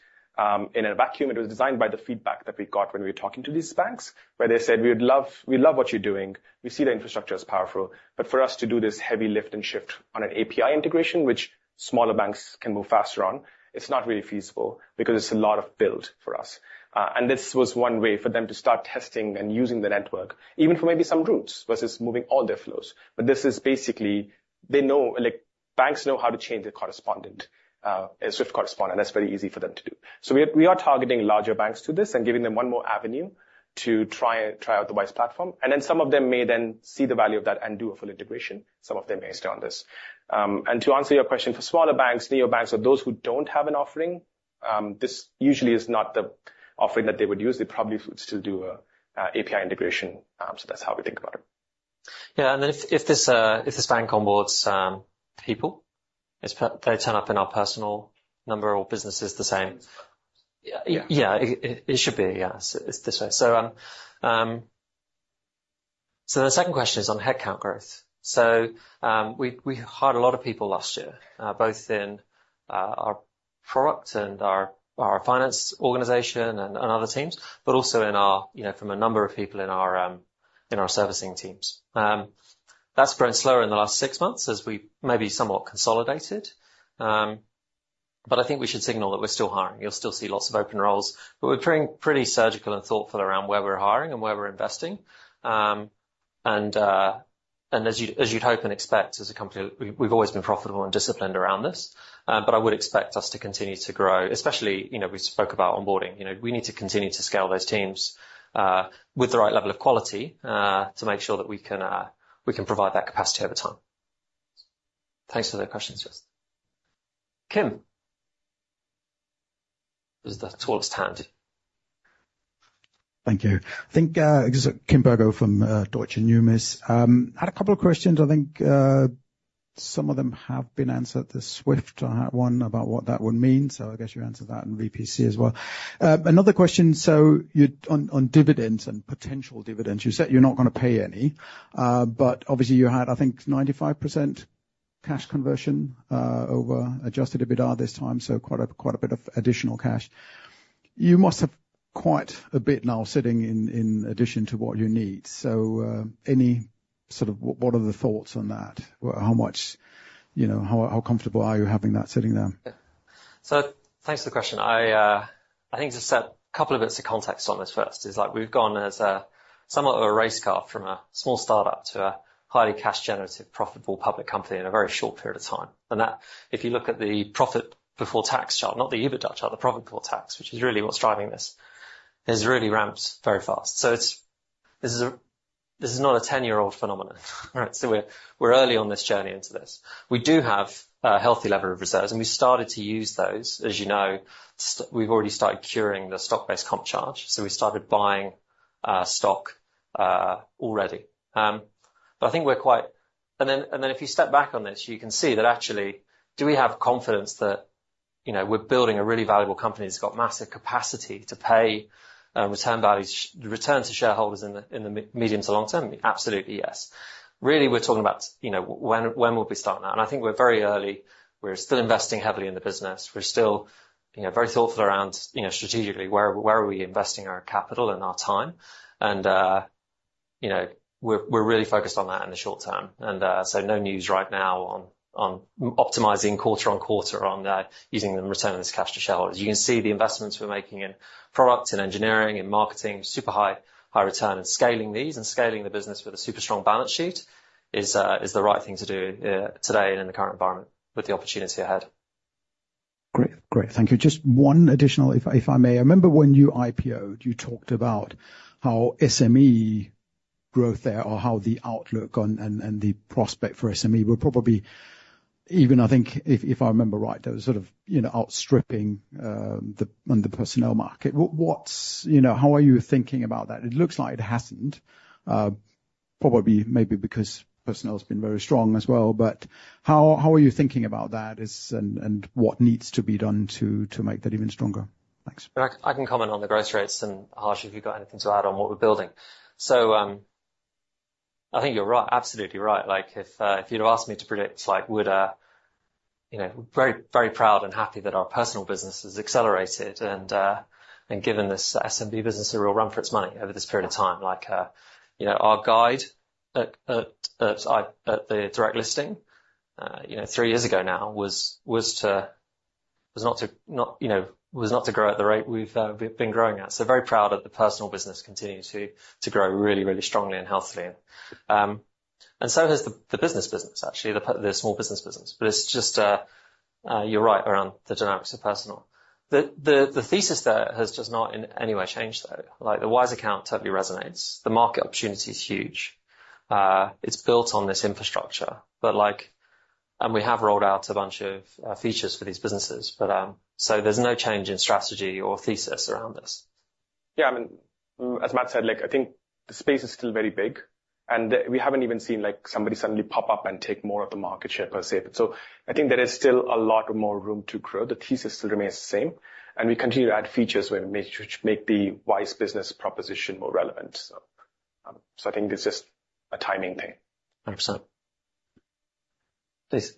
in a vacuum. It was designed by the feedback that we got when we were talking to these banks, where they said, We'd love, we love what you're doing. We see the infrastructure as powerful, but for us to do this heavy lift and shift on an API integration, which smaller banks can move faster on, it's not really feasible because it's a lot of build for us. And this was one way for them to start testing and using the network, even for maybe some routes versus moving all their flows. But this is basically, they know, like, banks know how to change a correspondent, a SWIFT correspondent. That's very easy for them to do. So we are targeting larger banks to this and giving them one more avenue to try out the Wise Platform, and then some of them may then see the value of that and do a full integration. Some of them may stay on this. To answer your question, for smaller banks, neobanks, or those who don't have an offering, this usually is not the offering that they would use. They probably would still do a API integration. That's how we think about it. Yeah, and if this bank onboards people, it's personal. They turn up in our personal number or business is the same? Yeah. Yeah. It should be, yeah. It's this way. So, the second question is on headcount growth. So, we hired a lot of people last year, both in our product and our finance organization and other teams, but also in our, you know, from a number of people in our servicing teams. That's grown slower in the last six months as we maybe somewhat consolidated. But I think we should signal that we're still hiring. You'll still see lots of open roles, but we're being pretty surgical and thoughtful around where we're hiring and where we're investing. And, as you'd hope and expect, as a company, we've always been profitable and disciplined around this. But I would expect us to continue to grow, especially, you know, we spoke about onboarding. You know, we need to continue to scale those teams, with the right level of quality, to make sure that we can, we can provide that capacity over time. Thanks for the questions, Justin. Kim. There's the tallest hand. Thank you. I think, Kim Bergoe from Deutsche Numis. Had a couple of questions I think some of them have been answered, the SWIFT one, about what that would mean, so I guess you answered that in VPC as well. Another question, so you. On dividends and potential dividends, you said you're not going to pay any, but obviously you had, I think, 95% cash conversion over adjusted EBITDA this time, so quite a bit of additional cash. You must have quite a bit now sitting in addition to what you need. So any sort of, what, what are the thoughts on that? How much, you know, how comfortable are you having that sitting there? So thanks for the question. I think just a couple of bits of context on this first is, like, we've gone as somewhat of a race car from a small start-up to a highly cash-generative, profitable public company in a very short period of time. And that if you look at the profit before tax chart, not the EBITDA chart, the profit before tax, which is really what's driving this, has really ramped very fast. So it's, this is a, this is not a 10-year old phenomenon right? So we're, we're early on this journey into this. We do have a healthy level of reserves, and we started to use those. As you know, we've already started curing the stock-based comp charge, so we started buying stock already. But I think we're quite. If you step back on this, you can see that actually, do we have confidence that, you know, we're building a really valuable company that's got massive capacity to pay return values, return to shareholders in the medium to long term? Absolutely, yes. Really, we're talking about, you know, when will we start now? And I think we're very early. We're still investing heavily in the business. We're still, you know, very thoughtful around, you know, strategically, where are we investing our capital and our time. And you know, we're really focused on that in the short term. And so no news right now on optimizing quarter-over-quarter on that, using the return on this cash to shareholders. You can see the investments we're making in product, in engineering, in marketing, super high, high return. Scaling these and scaling the business with a super strong balance sheet is the right thing to do, today and in the current environment with the opportunity ahead. Great. Great, thank you. Just one additional if I may. I remember when you IPO'd, you talked about how SME growth there or how the outlook on and the prospect for SME were probably even, I think, if I remember right, they were sort of, you know, outstripping the personal market. What's, you know, how are you thinking about that? It looks like it hasn't probably, maybe because personal's been very strong as well. But how are you thinking about that, is, and what needs to be done to make that even stronger? Thanks. I can comment on the growth rates, and, Harsh, if you've got anything to add on what we're building. So, I think you're right, absolutely right. Like, if, if you'd have asked me to predict, like, would a, you know, very, very proud and happy that our personal business has accelerated and, and given this SMB business a real run for its money over this period of time. Like, you know, our guide at the direct listing, you know, three years ago now, was, was to, was not to, not, you know, was not to grow at the rate we've, we've been growing at. So very proud that the personal business continues to grow really, really strongly and healthily. And so has the business business, actually, the small business business. But it's just, you're right around the dynamics of personal. The thesis there has just not in any way changed, though. Like, the Wise Account totally resonates. The market opportunity is huge. It's built on this infrastructure, but, like, and we have rolled out a bunch of features for these businesses, but. So there's no change in strategy or thesis around this. Yeah, I mean, as Matt said, like, I think the space is still very big, and we haven't even seen, like, somebody suddenly pop up and take more of the market share per se. So I think there is still a lot more room to grow. The thesis still remains the same, and we continue to add features which make the Wise Business proposition more relevant. So, so I think it's just a timing thing. 100%. Please.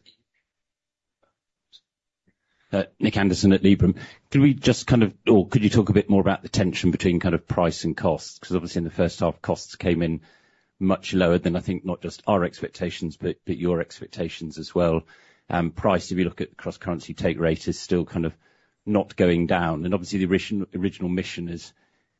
Nick Anderson at Liberum. Can we just kind of, or could you talk a bit more about the tension between kind of price and cost? Because obviously, in the first half, costs came in much lower than, I think, not just our expectations, but your expectations as well. Price, if you look at the cross-currency take rate, is still kind of not going down. And obviously, the original mission is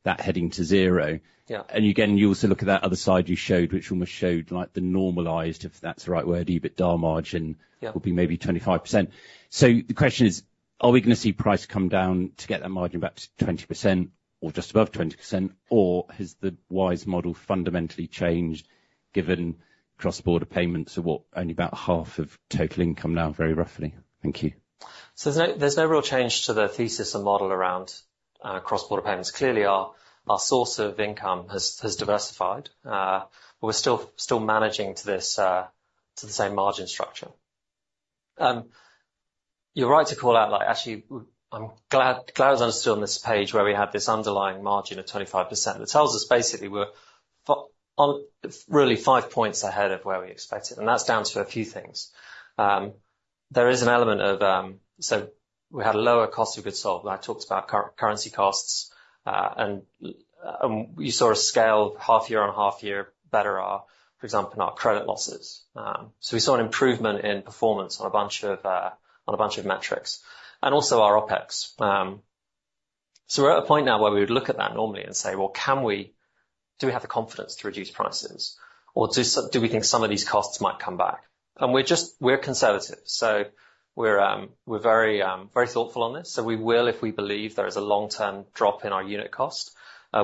that heading to zero. Yeah. Again, you also look at that other side you showed, which almost showed, like, the normalized, if that's the right word, EBITDA margin. Yeah would be maybe 25%. So the question is, are we gonna see price come down to get that margin back to 20% or just above 20%? Or has the Wise model fundamentally changed, given cross-border payments are, what, only about half of total income now, very roughly? Thank you. So there's no real change to the thesis and model around cross-border payments. Clearly, our source of income has diversified, but we're still managing to this to the same margin structure. You're right to call out, like, actually, I'm glad I was understood on this page, where we had this underlying margin of 25%. That tells us basically we're on, really five points ahead of where we expected, and that's down to a few things. There is an element of. So we had a lower cost of goods sold. I talked about currency costs, and, and we saw a scale half-year on half-year better our, for example, our credit losses. So we saw an improvement in performance on a bunch of metrics, and also our OPEX. So we're at a point now where we would look at that normally and say, Well, can we, do we have the confidence to reduce prices, or do we think some of these costs might come back? And we're just, we're conservative, so we're very thoughtful on this. So we will, if we believe there is a long-term drop in our unit cost,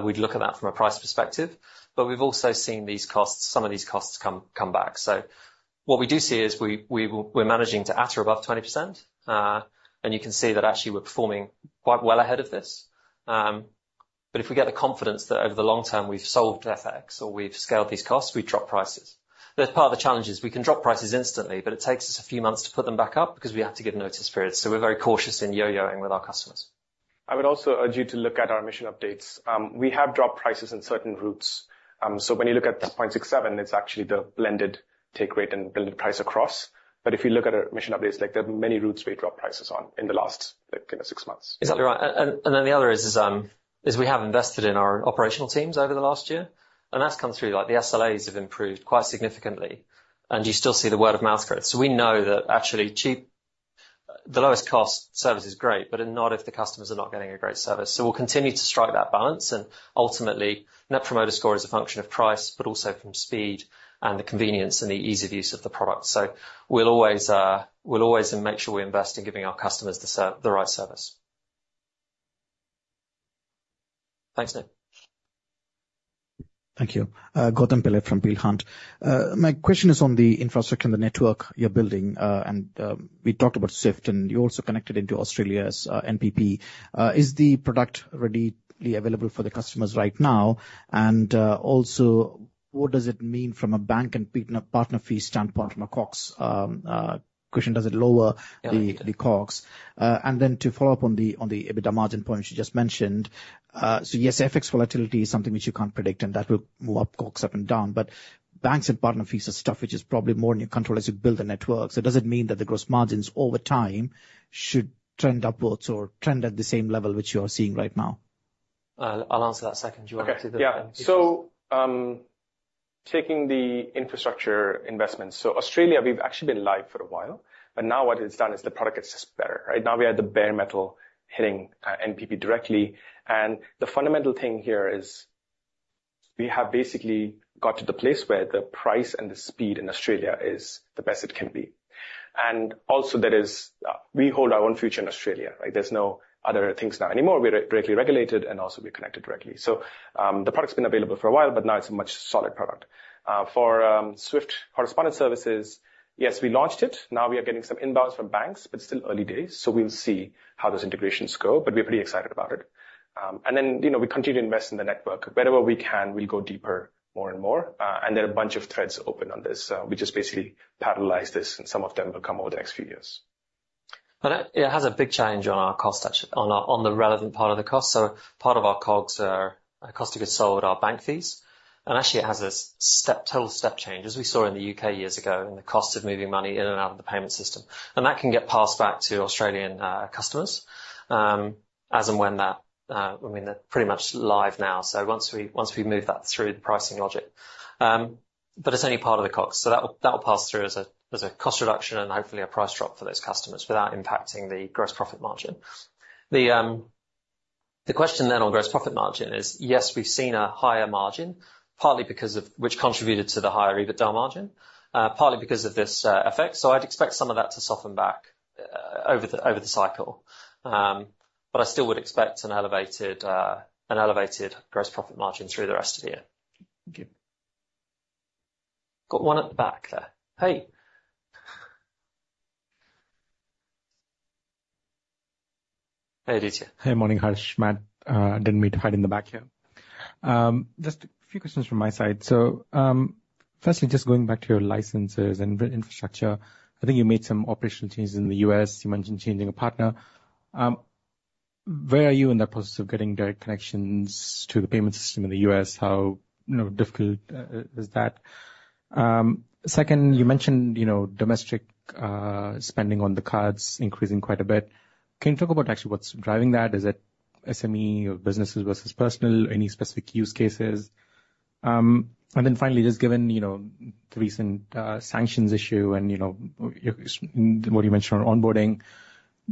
we'd look at that from a price perspective. But we've also seen these costs, some of these costs come back. So what we do see is we're managing to at or above 20%, and you can see that actually we're performing quite well ahead of this. But if we get the confidence that over the long term, we've solved FX or we've scaled these costs, we drop prices. That's part of the challenge is we can drop prices instantly, but it takes us a few months to put them back up, because we have to give notice periods, so we're very cautious in yo-yoing with our customers. I would also urge you to look at our mission updates. We have dropped prices in certain routes. So when you look at the 0.67, it's actually the blended take rate and blended price across. But if you look at our mission updates, like, there are many routes we dropped prices on in the last, like, you know, six months. Exactly right. Then the other is we have invested in our operational teams over the last year, and that's come through. Like, the SLAs have improved quite significantly, and you still see the word-of-mouth growth. So we know that actually cheap, the lowest-cost service is great, but not if the customers are not getting a great service. So we'll continue to strike that balance, and ultimately, Net Promoter Score is a function of price, but also from speed and the convenience and the ease of use of the product. So we'll always, we'll always make sure we invest in giving our customers the right service. Thanks, Nick. Thank you. Gautam Pillai from Peel Hunt. My question is on the infrastructure and the network you're building. We talked about SWIFT, and you're also connected into Australia's NPP. Is the product readily available for the customers right now? Also, what does it mean from a bank and partner fee standpoint from a costs question, does it lower the. Yeah The costs? And then to follow up on the, on the EBITDA margin point you just mentioned, so yes, FX volatility is something which you can't predict, and that will move up, costs up and down, but banks and partner fees are stuff which is probably more in your control as you build the network. So does it mean that the gross margins over time should trend upwards or trend at the same level which you are seeing right now? I'll answer that second. Do you want to do the. Okay. Yeah. So taking the infrastructure investments, so Australia, we've actually been live for a while, but now what it's done is the product gets just better, right? Now we have the bare metal hitting NPP directly, and the fundamental thing here is we have basically got to the place where the price and the speed in Australia is the best it can be. And also, there is, we hold our own future in Australia, right? There's no other things now anymore. We're directly regulated, and also we're connected directly. So the product's been available for a while, but now it's a much solid product. For SWIFT Correspondent Services, yes, we launched it. Now we are getting some inbounds from banks, but still early days, so we'll see how those integrations go, but we're pretty excited about it. And then, you know, we continue to invest in the network. Wherever we can, we'll go deeper, more and more, and there are a bunch of threads open on this, so we just basically parallelize this, and some of them will come over the next few years. But it has a big change on our cost structure, on the relevant part of the cost. So part of our costs are our cost of goods sold, our bank fees, and actually, it has a step, total step change, as we saw in the U.K. years ago, in the cost of moving money in and out of the payment system. And that can get passed back to Australian customers, as and when that, I mean, they're pretty much live now, so once we move that through the pricing logic. But it's only part of the cost, so that will pass through as a cost reduction and hopefully a price drop for those customers without impacting the gross profit margin. The question then on gross profit margin is, yes, we've seen a higher margin, partly because of which contributed to the higher EBITDA margin, partly because of this effect. So I'd expect some of that to soften back over the cycle. But I still would expect an elevated gross profit margin through the rest of the year. Thank you. Got one at the back there. Hey. Hey, Aditya. Hey, morning, Harsh, Matt. Didn't mean to hide in the back here. Just a few questions from my side. So, firstly, just going back to your licenses and the infrastructure, I think you made some operational changes in the U.S. You mentioned changing a partner. Where are you in the process of getting direct connections to the payment system in the U.S.? How, you know, difficult is that? Second, you mentioned, you know, domestic spending on the cards increasing quite a bit. Can you talk about actually what's driving that? Is it SME or businesses versus personal? Any specific use cases? And then finally, just given, you know, the recent sanctions issue and, you know, what you mentioned on onboarding,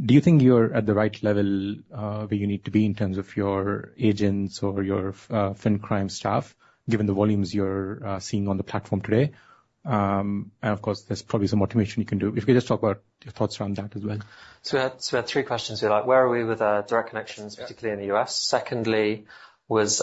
do you think you're at the right level, where you need to be in terms of your agents or your fin crime staff, given the volumes you're seeing on the platform today? And of course, there's probably some automation you can do. If you could just talk about your thoughts around that as well. So we had three questions here. Like, where are we with direct connections. Yeah. Particularly in the U.S.? Secondly, was.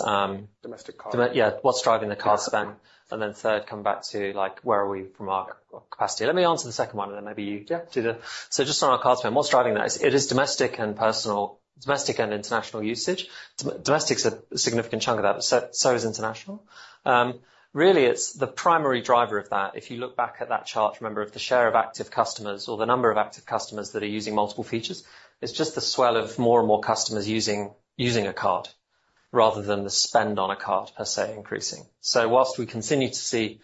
Domestic cards. Yeah, what's driving the card spend? And then third, come back to, like, where are we from our capacity? Let me answer the second one, and then maybe you. Yeah. So just on our card spend, what's driving that? It is domestic and personal, domestic and international usage. Domestic's a significant chunk of that, but so is international. Really, it's the primary driver of that. If you look back at that chart, remember, of the share of active customers or the number of active customers that are using multiple features, it's just the swell of more and more customers using a card rather than the spend on a card per se, increasing. So whilst we continue to see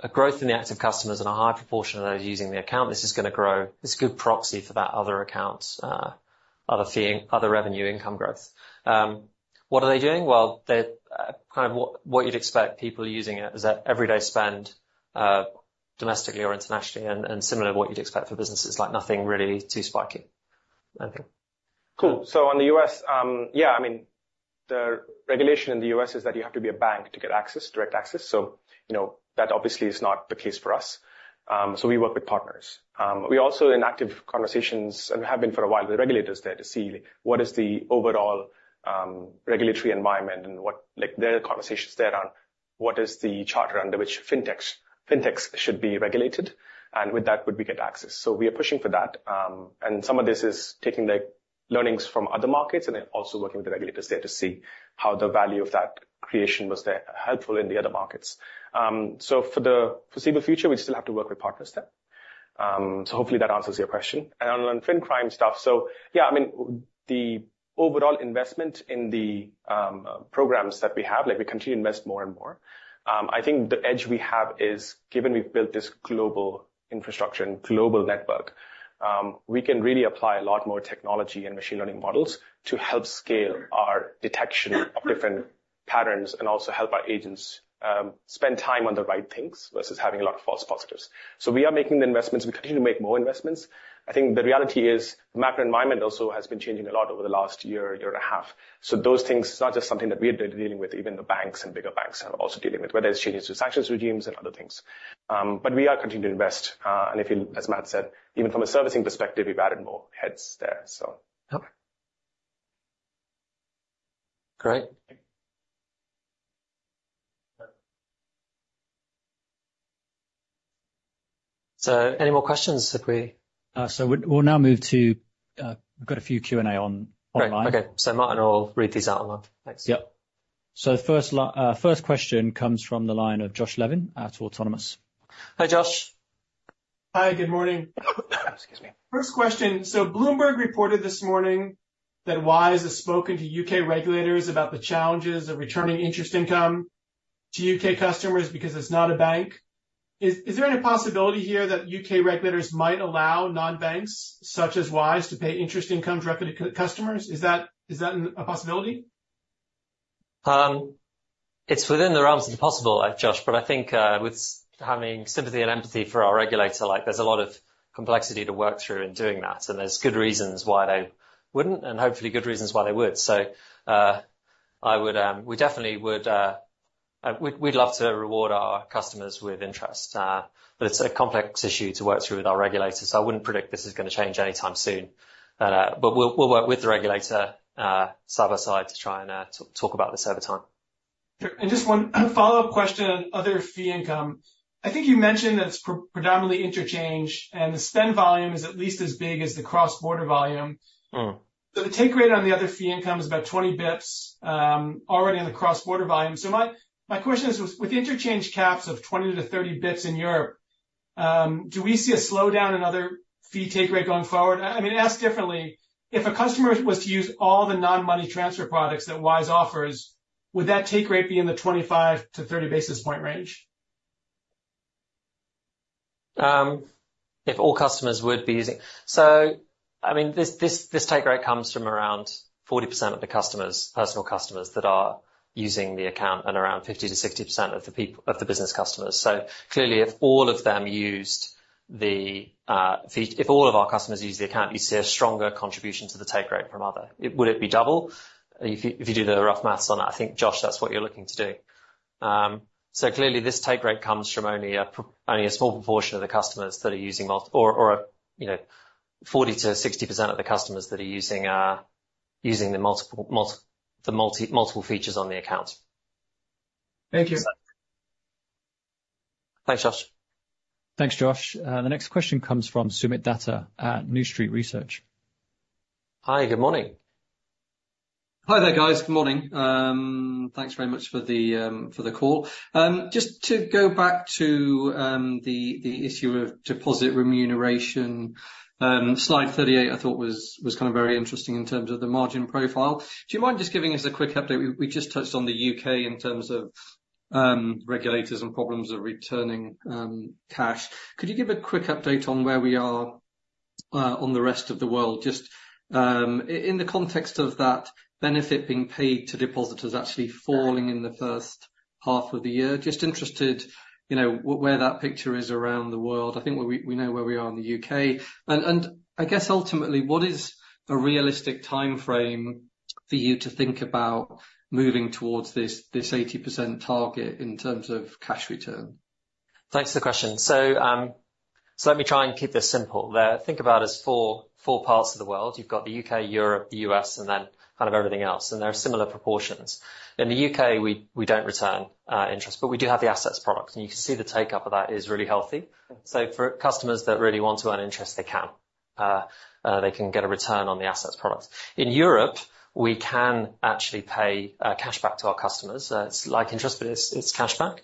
a growth in the active customers and a high proportion of those using the account, this is gonna grow. It's a good proxy for that other account, other fee income, other revenue income growth. What are they doing? Well, they're kind of what you'd expect people using it is that everyday spend, domestically or internationally, and similar to what you'd expect for businesses, like, nothing really too spiky. Anything? Cool. So on the U.S., yeah, I mean, the regulation in the U.S. is that you have to be a bank to get access, direct access, so, you know, that obviously is not the case for us. So we work with partners. We're also in active conversations, and have been for a while, with the regulators there to see what is the overall, regulatory environment and what. Like, there are conversations there on what is the charter under which fintechs, fintechs should be regulated, and with that, would we get access? So we are pushing for that. And some of this is taking, like learnings from other markets, and then also working with the regulators there to see how the value of that creation was there, helpful in the other markets. So for the foreseeable future, we still have to work with partners there. So hopefully that answers your question. And on, on fin crime stuff. So, yeah, I mean, the overall investment in the programs that we have, like, we continue to invest more and more. I think the edge we have is, given we've built this global infrastructure and global network, we can really apply a lot more technology and machine learning models to help scale our detection of different patterns, and also help our agents spend time on the right things versus having a lot of false positives. So we are making the investments. We continue to make more investments. I think the reality is the macro environment also has been changing a lot over the last year, year and a half. Those things, it's not just something that we are dealing with, even the banks and bigger banks are also dealing with, whether it's changes to sanctions regimes and other things. But we are continuing to invest. And if you, as Matt said, even from a servicing perspective, we've added more heads there, so. Okay. Great. So any more questions if we. So we'll now move to, we've got a few Q&A on. Great. Online. Okay. So Martin, I'll read these out aloud. Thanks. Yep. So first question comes from the line of Josh Levin at Autonomous. Hi, Josh. Hi, good morning. Excuse me. First question, So Bloomberg reported this morning that Wise has spoken to U.K. regulators about the challenges of returning interest income to U.K. customers because it's not a bank. Is there any possibility here that U.K. regulators might allow non-banks, such as Wise, to pay interest income directly to customers? Is that a possibility? It's within the realms of the possible, Josh, but I think, with having sympathy and empathy for our regulator, like, there's a lot of complexity to work through in doing that, and there's good reasons why they wouldn't, and hopefully good reasons why they would. So, I would. We definitely would, we, we'd love to reward our customers with interest. But it's a complex issue to work through with our regulators, so I wouldn't predict this is gonna change anytime soon. But we'll, we'll work with the regulator, side by side to try and, talk about this over time. Sure. And just one follow-up question on other fee income. I think you mentioned that it's predominantly interchange, and the spend volume is at least as big as the cross-border volume. Mm. So the take rate on the other fee income is about 20 basis points already on the cross-border volume. So my question is, with interchange caps of 20-30 basis points in Europe, do we see a slowdown in other fee take rate going forward? I mean, asked differently, if a customer was to use all the non-money transfer products that Wise offers, would that take rate be in the 25-30 basis point range? If all customers would be using. So, I mean, this take rate comes from around 40% of the customers, personal customers, that are using the account and around 50%-60% of the business customers. So clearly, if all of them used the fee. If all of our customers use the account, you'd see a stronger contribution to the take rate from other. Would it be double? If you do the rough math on that, I think, Josh, that's what you're looking to do. So clearly, this take rate comes from only a small proportion of the customers that are using multi or a, you know, 40%-60% of the customers that are using the multiple features on the account. Thank you. Thanks, Josh. Thanks, Josh. The next question comes from Soomit Datta at New Street Research. Hi, good morning. Hi there, guys. Good morning. Thanks very much for the call. Just to go back to the issue of deposit remuneration. Slide 38, I thought was kind of very interesting in terms of the margin profile. Do you mind just giving us a quick update? We just touched on the U.K. in terms of regulators and problems of returning cash. Could you give a quick update on where we are on the rest of the world? Just in the context of that benefit being paid to depositors actually falling in the first half of the year. Just interested, you know, where that picture is around the world. I think we know where we are in the U.K. I guess ultimately, what is a realistic timeframe for you to think about moving towards this 80% target in terms of cash return? Thanks for the question. So let me try and keep this simple. Think about us as four parts of the world. You've got the U.K., Europe, the U.S., and then kind of everything else, and there are similar proportions. In the U.K., we don't return interest, but we do have the Assets product, and you can see the take-up of that is really healthy. So for customers that really want to earn interest, they can. They can get a return on the Assets product. In Europe, we can actually pay cash back to our customers. It's like interest, but it's cash back.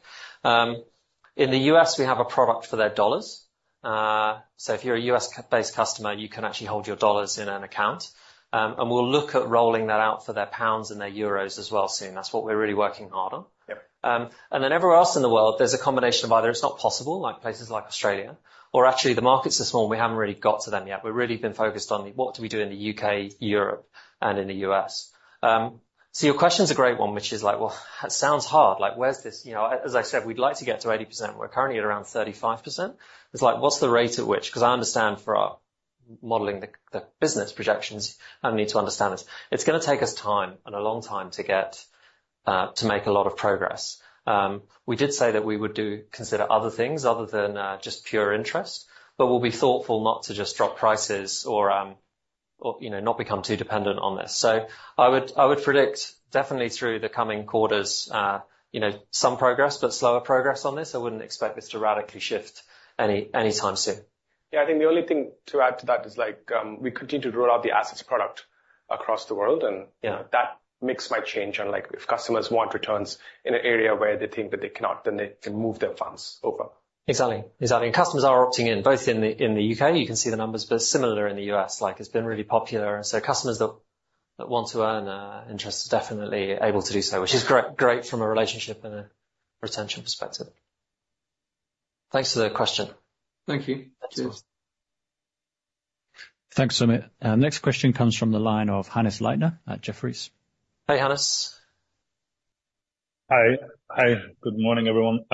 In the U.S., we have a product for their dollars. If you're a U.S-based customer, you can actually hold your dollars in an account, and we'll look at rolling that out for their pounds and their euros as well soon. That's what we're really working hard on. Yep. And then everywhere else in the world, there's a combination of either it's not possible, like places like Australia, or actually, the markets are small and we haven't really got to them yet. We've really been focused on what do we do in the U.K., Europe, and in the U.S. So your question's a great one, which is like, well, that sounds hard. Like, where's this, you know, as, as I said, we'd like to get to 80%. We're currently at around 35%. It's like, what's the rate at which? 'Cause I understand for our modeling the, the business projections, I need to understand this. It's gonna take us time, and a long time, to get, to make a lot of progress. We did say that we would do. Consider other things other than just pure interest, but we'll be thoughtful not to just drop prices or, you know, not become too dependent on this. So I would predict definitely through the coming quarters, you know, some progress, but slower progress on this. I wouldn't expect this to radically shift anytime soon. Yeah, I think the only thing to add to that is, like, we continue to roll out the Assets product across the world, and. Yeah. That mix might change. Unlike if customers want returns in an area where they think that they cannot, then they can move their funds over. Exactly, exactly. And customers are opting in, both in the U.K., you can see the numbers, but similar in the U.S. Like, it's been really popular. So customers that want to earn interest are definitely able to do so, which is great, great from a relationship and a retention perspective. Thanks for the question. Thank you. Thanks. Thanks, Soomit. Next question comes from the line of Hannes Leitner at Jefferies. Hi, Hannes. Hi. Hi, good morning, everyone.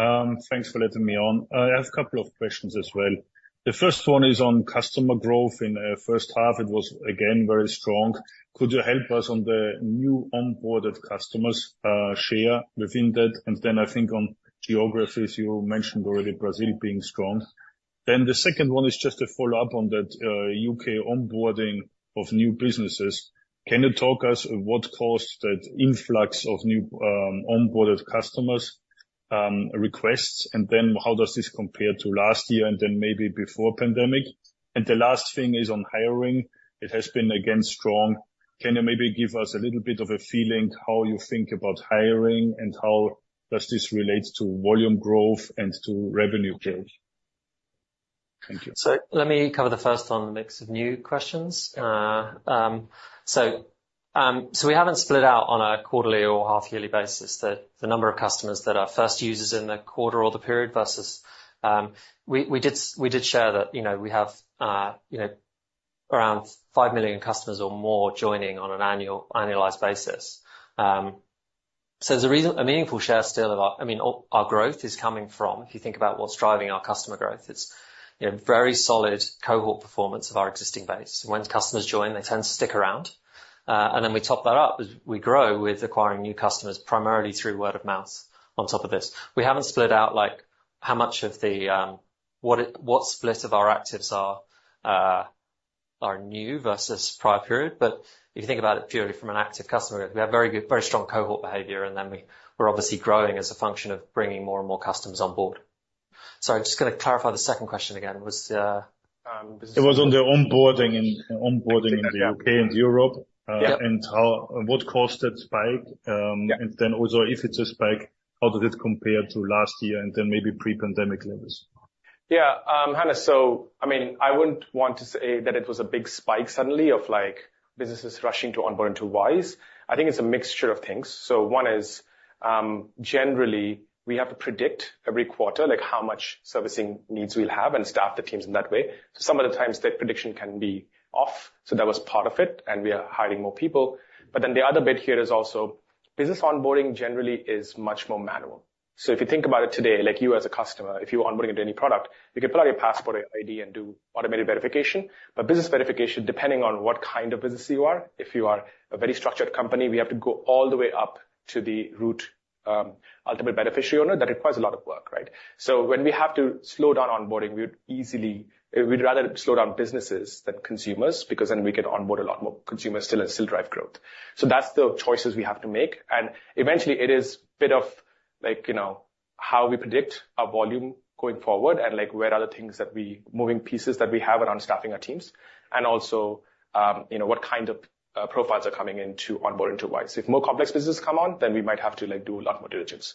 Thanks for letting me on. I have a couple of questions as well. The first one is on customer growth. In first half, it was again very strong. Could you help us on the new onboarded customers share within that? And then I think on geographies, you mentioned already Brazil being strong. Then the second one is just a follow-up on that, U.K. onboarding of new businesses. Can you tell us what caused that influx of new onboarded customers requests? And then how does this compare to last year and then maybe before pandemic? And the last thing is on hiring. It has been again strong. Can you maybe give us a little bit of a feeling how you think about hiring, and how does this relate to volume growth and to revenue change? Thank you. So let me cover the first on the mix of new questions. We haven't split out on a quarterly or half-yearly basis the number of customers that are first users in the quarter or the period versus. We did share that, you know, we have, you know, around 5 million customers or more joining on an annualized basis. So there's a reason, a meaningful share still of our, I mean, our growth is coming from, if you think about what's driving our customer growth, it's, you know, very solid cohort performance of our existing base. Once customers join, they tend to stick around. And then we top that up as we grow, with acquiring new customers, primarily through word of mouth on top of this. We haven't split out like how much of the. What split of our actives are new versus prior period. But if you think about it purely from an active customer, we have very good, very strong cohort behavior, and then we're obviously growing as a function of bringing more and more customers on board. Sorry, I'm just going to clarify the second question again. Was. It was on the onboarding in the U.K. and Europe. Yeah. And how, what caused that spike? Yeah. And then also, if it's a spike, how does it compare to last year and then maybe pre-pandemic levels? Yeah. Hannes, so, I mean, I wouldn't want to say that it was a big spike suddenly of like businesses rushing to onboard into Wise. I think it's a mixture of things. So one is, generally, we have to predict every quarter, like, how much servicing needs we'll have and staff the teams in that way. So some of the times, that prediction can be off. So that was part of it, and we are hiring more people. But then the other bit here is also business onboarding generally is much more manual. So if you think about it today, like you as a customer, if you're onboarding into any product, you can pull out your passport or ID and do automated verification. But business verification, depending on what kind of business you are, if you are a very structured company, we have to go all the way up to the root, ultimate beneficial owner. That requires a lot of work, right? So when we have to slow down onboarding, we would easily. We'd rather slow down businesses than consumers, because then we can onboard a lot more consumers still and still drive growth. So that's the choices we have to make, and eventually, it is bit of like, you know, how we predict our volume going forward and, like, where are the moving pieces that we have around staffing our teams, and also, you know, what kind of profiles are coming in to onboard into Wise. If more complex businesses come on, then we might have to, like, do a lot more diligence.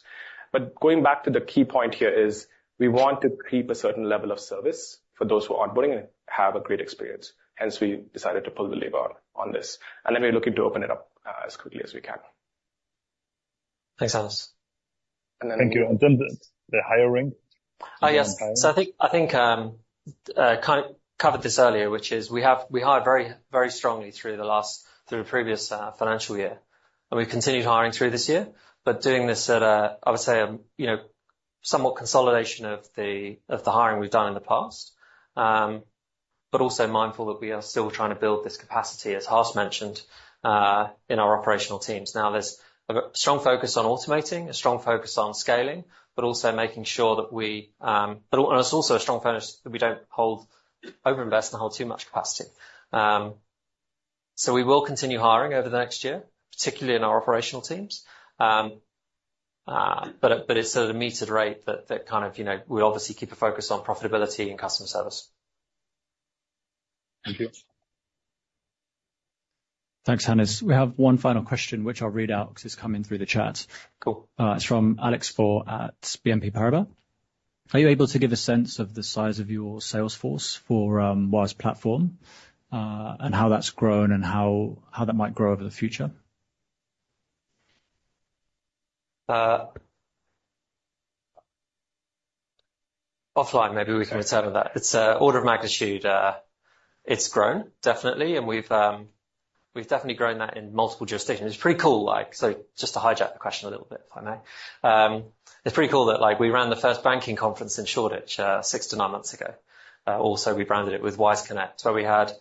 Going back to the key point here, is we want to keep a certain level of service for those who are onboarding and have a great experience. Hence, we decided to pull the lever on this, and then we're looking to open it up as quickly as we can. Thanks, Hannes. Thank you. And then the hiring? Yes. So I think I kind of covered this earlier, which is we have we hired very, very strongly through the previous financial year, and we've continued hiring through this year. But doing this at a, I would say, you know, somewhat consolidation of the hiring we've done in the past. But also mindful that we are still trying to build this capacity, as Harsh mentioned, in our operational teams. Now, there's a strong focus on automating, a strong focus on scaling, but also making sure that we. And it's also a strong focus that we don't hold, overinvest and hold too much capacity. So we will continue hiring over the next year, particularly in our operational teams. But it's at a metered rate that kind of, you know, we obviously keep a focus on profitability and customer service. Thank you. Thanks, Hannes. We have one final question, which I'll read out because it's coming through the chat. Cool. It's from Alex Faure at BNP Paribas. Are you able to give a sense of the size of your sales force for Wise Platform, and how that's grown and how that might grow over the future? Offline, maybe we can return to that. Okay. It's order of magnitude, it's grown definitely, and we've, we've definitely grown that in multiple jurisdictions. It's pretty cool, like. So just to hijack the question a little bit, if I may. It's pretty cool that, like, we ran the first banking conference in Shoreditch, six to nine months ago. Also, we branded it with Wise Connect, where we had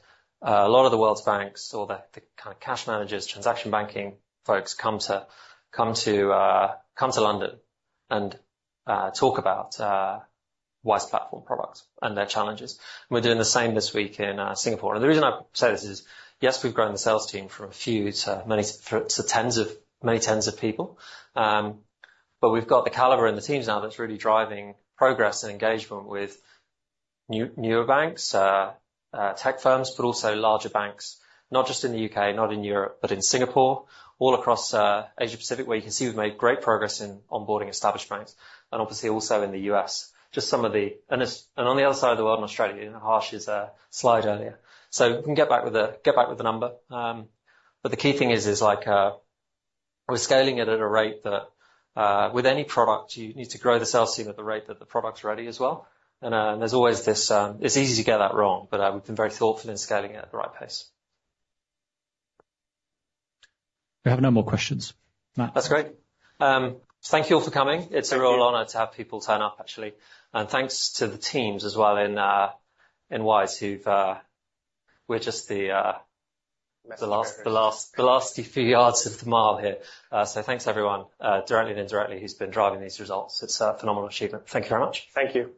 a lot of the world's banks or the, the kind of cash managers, transaction banking folks, come to London and talk about Wise Platform products and their challenges. We're doing the same this week in Singapore. And the reason I say this is, yes, we've grown the sales team from a few to many, to many tens of people. But we've got the caliber and the teams now that's really driving progress and engagement with newer banks, tech firms, but also larger banks, not just in the U.K., not in Europe, but in Singapore, all across Asia Pacific, where you can see we've made great progress in onboarding established banks and obviously also in the U.S. Just some of the. And on the other side of the world, in Australia, in Harsh's slide earlier. So we can get back with the number. But the key thing is like we're scaling it at a rate that with any product, you need to grow the sales team at the rate that the product's ready as well. And there's always this. It's easy to get that wrong, but we've been very thoughtful in scaling it at the right pace. We have no more questions. That's great. Thank you all for coming. Thank you. It's a real honor to have people turn up, actually. And thanks to the teams as well in Wise, who've. We're just the. Messy guys. The last few yards of the mile here. So thanks, everyone, directly and indirectly, who's been driving these results. It's a phenomenal achievement. Thank you very much. Thank you.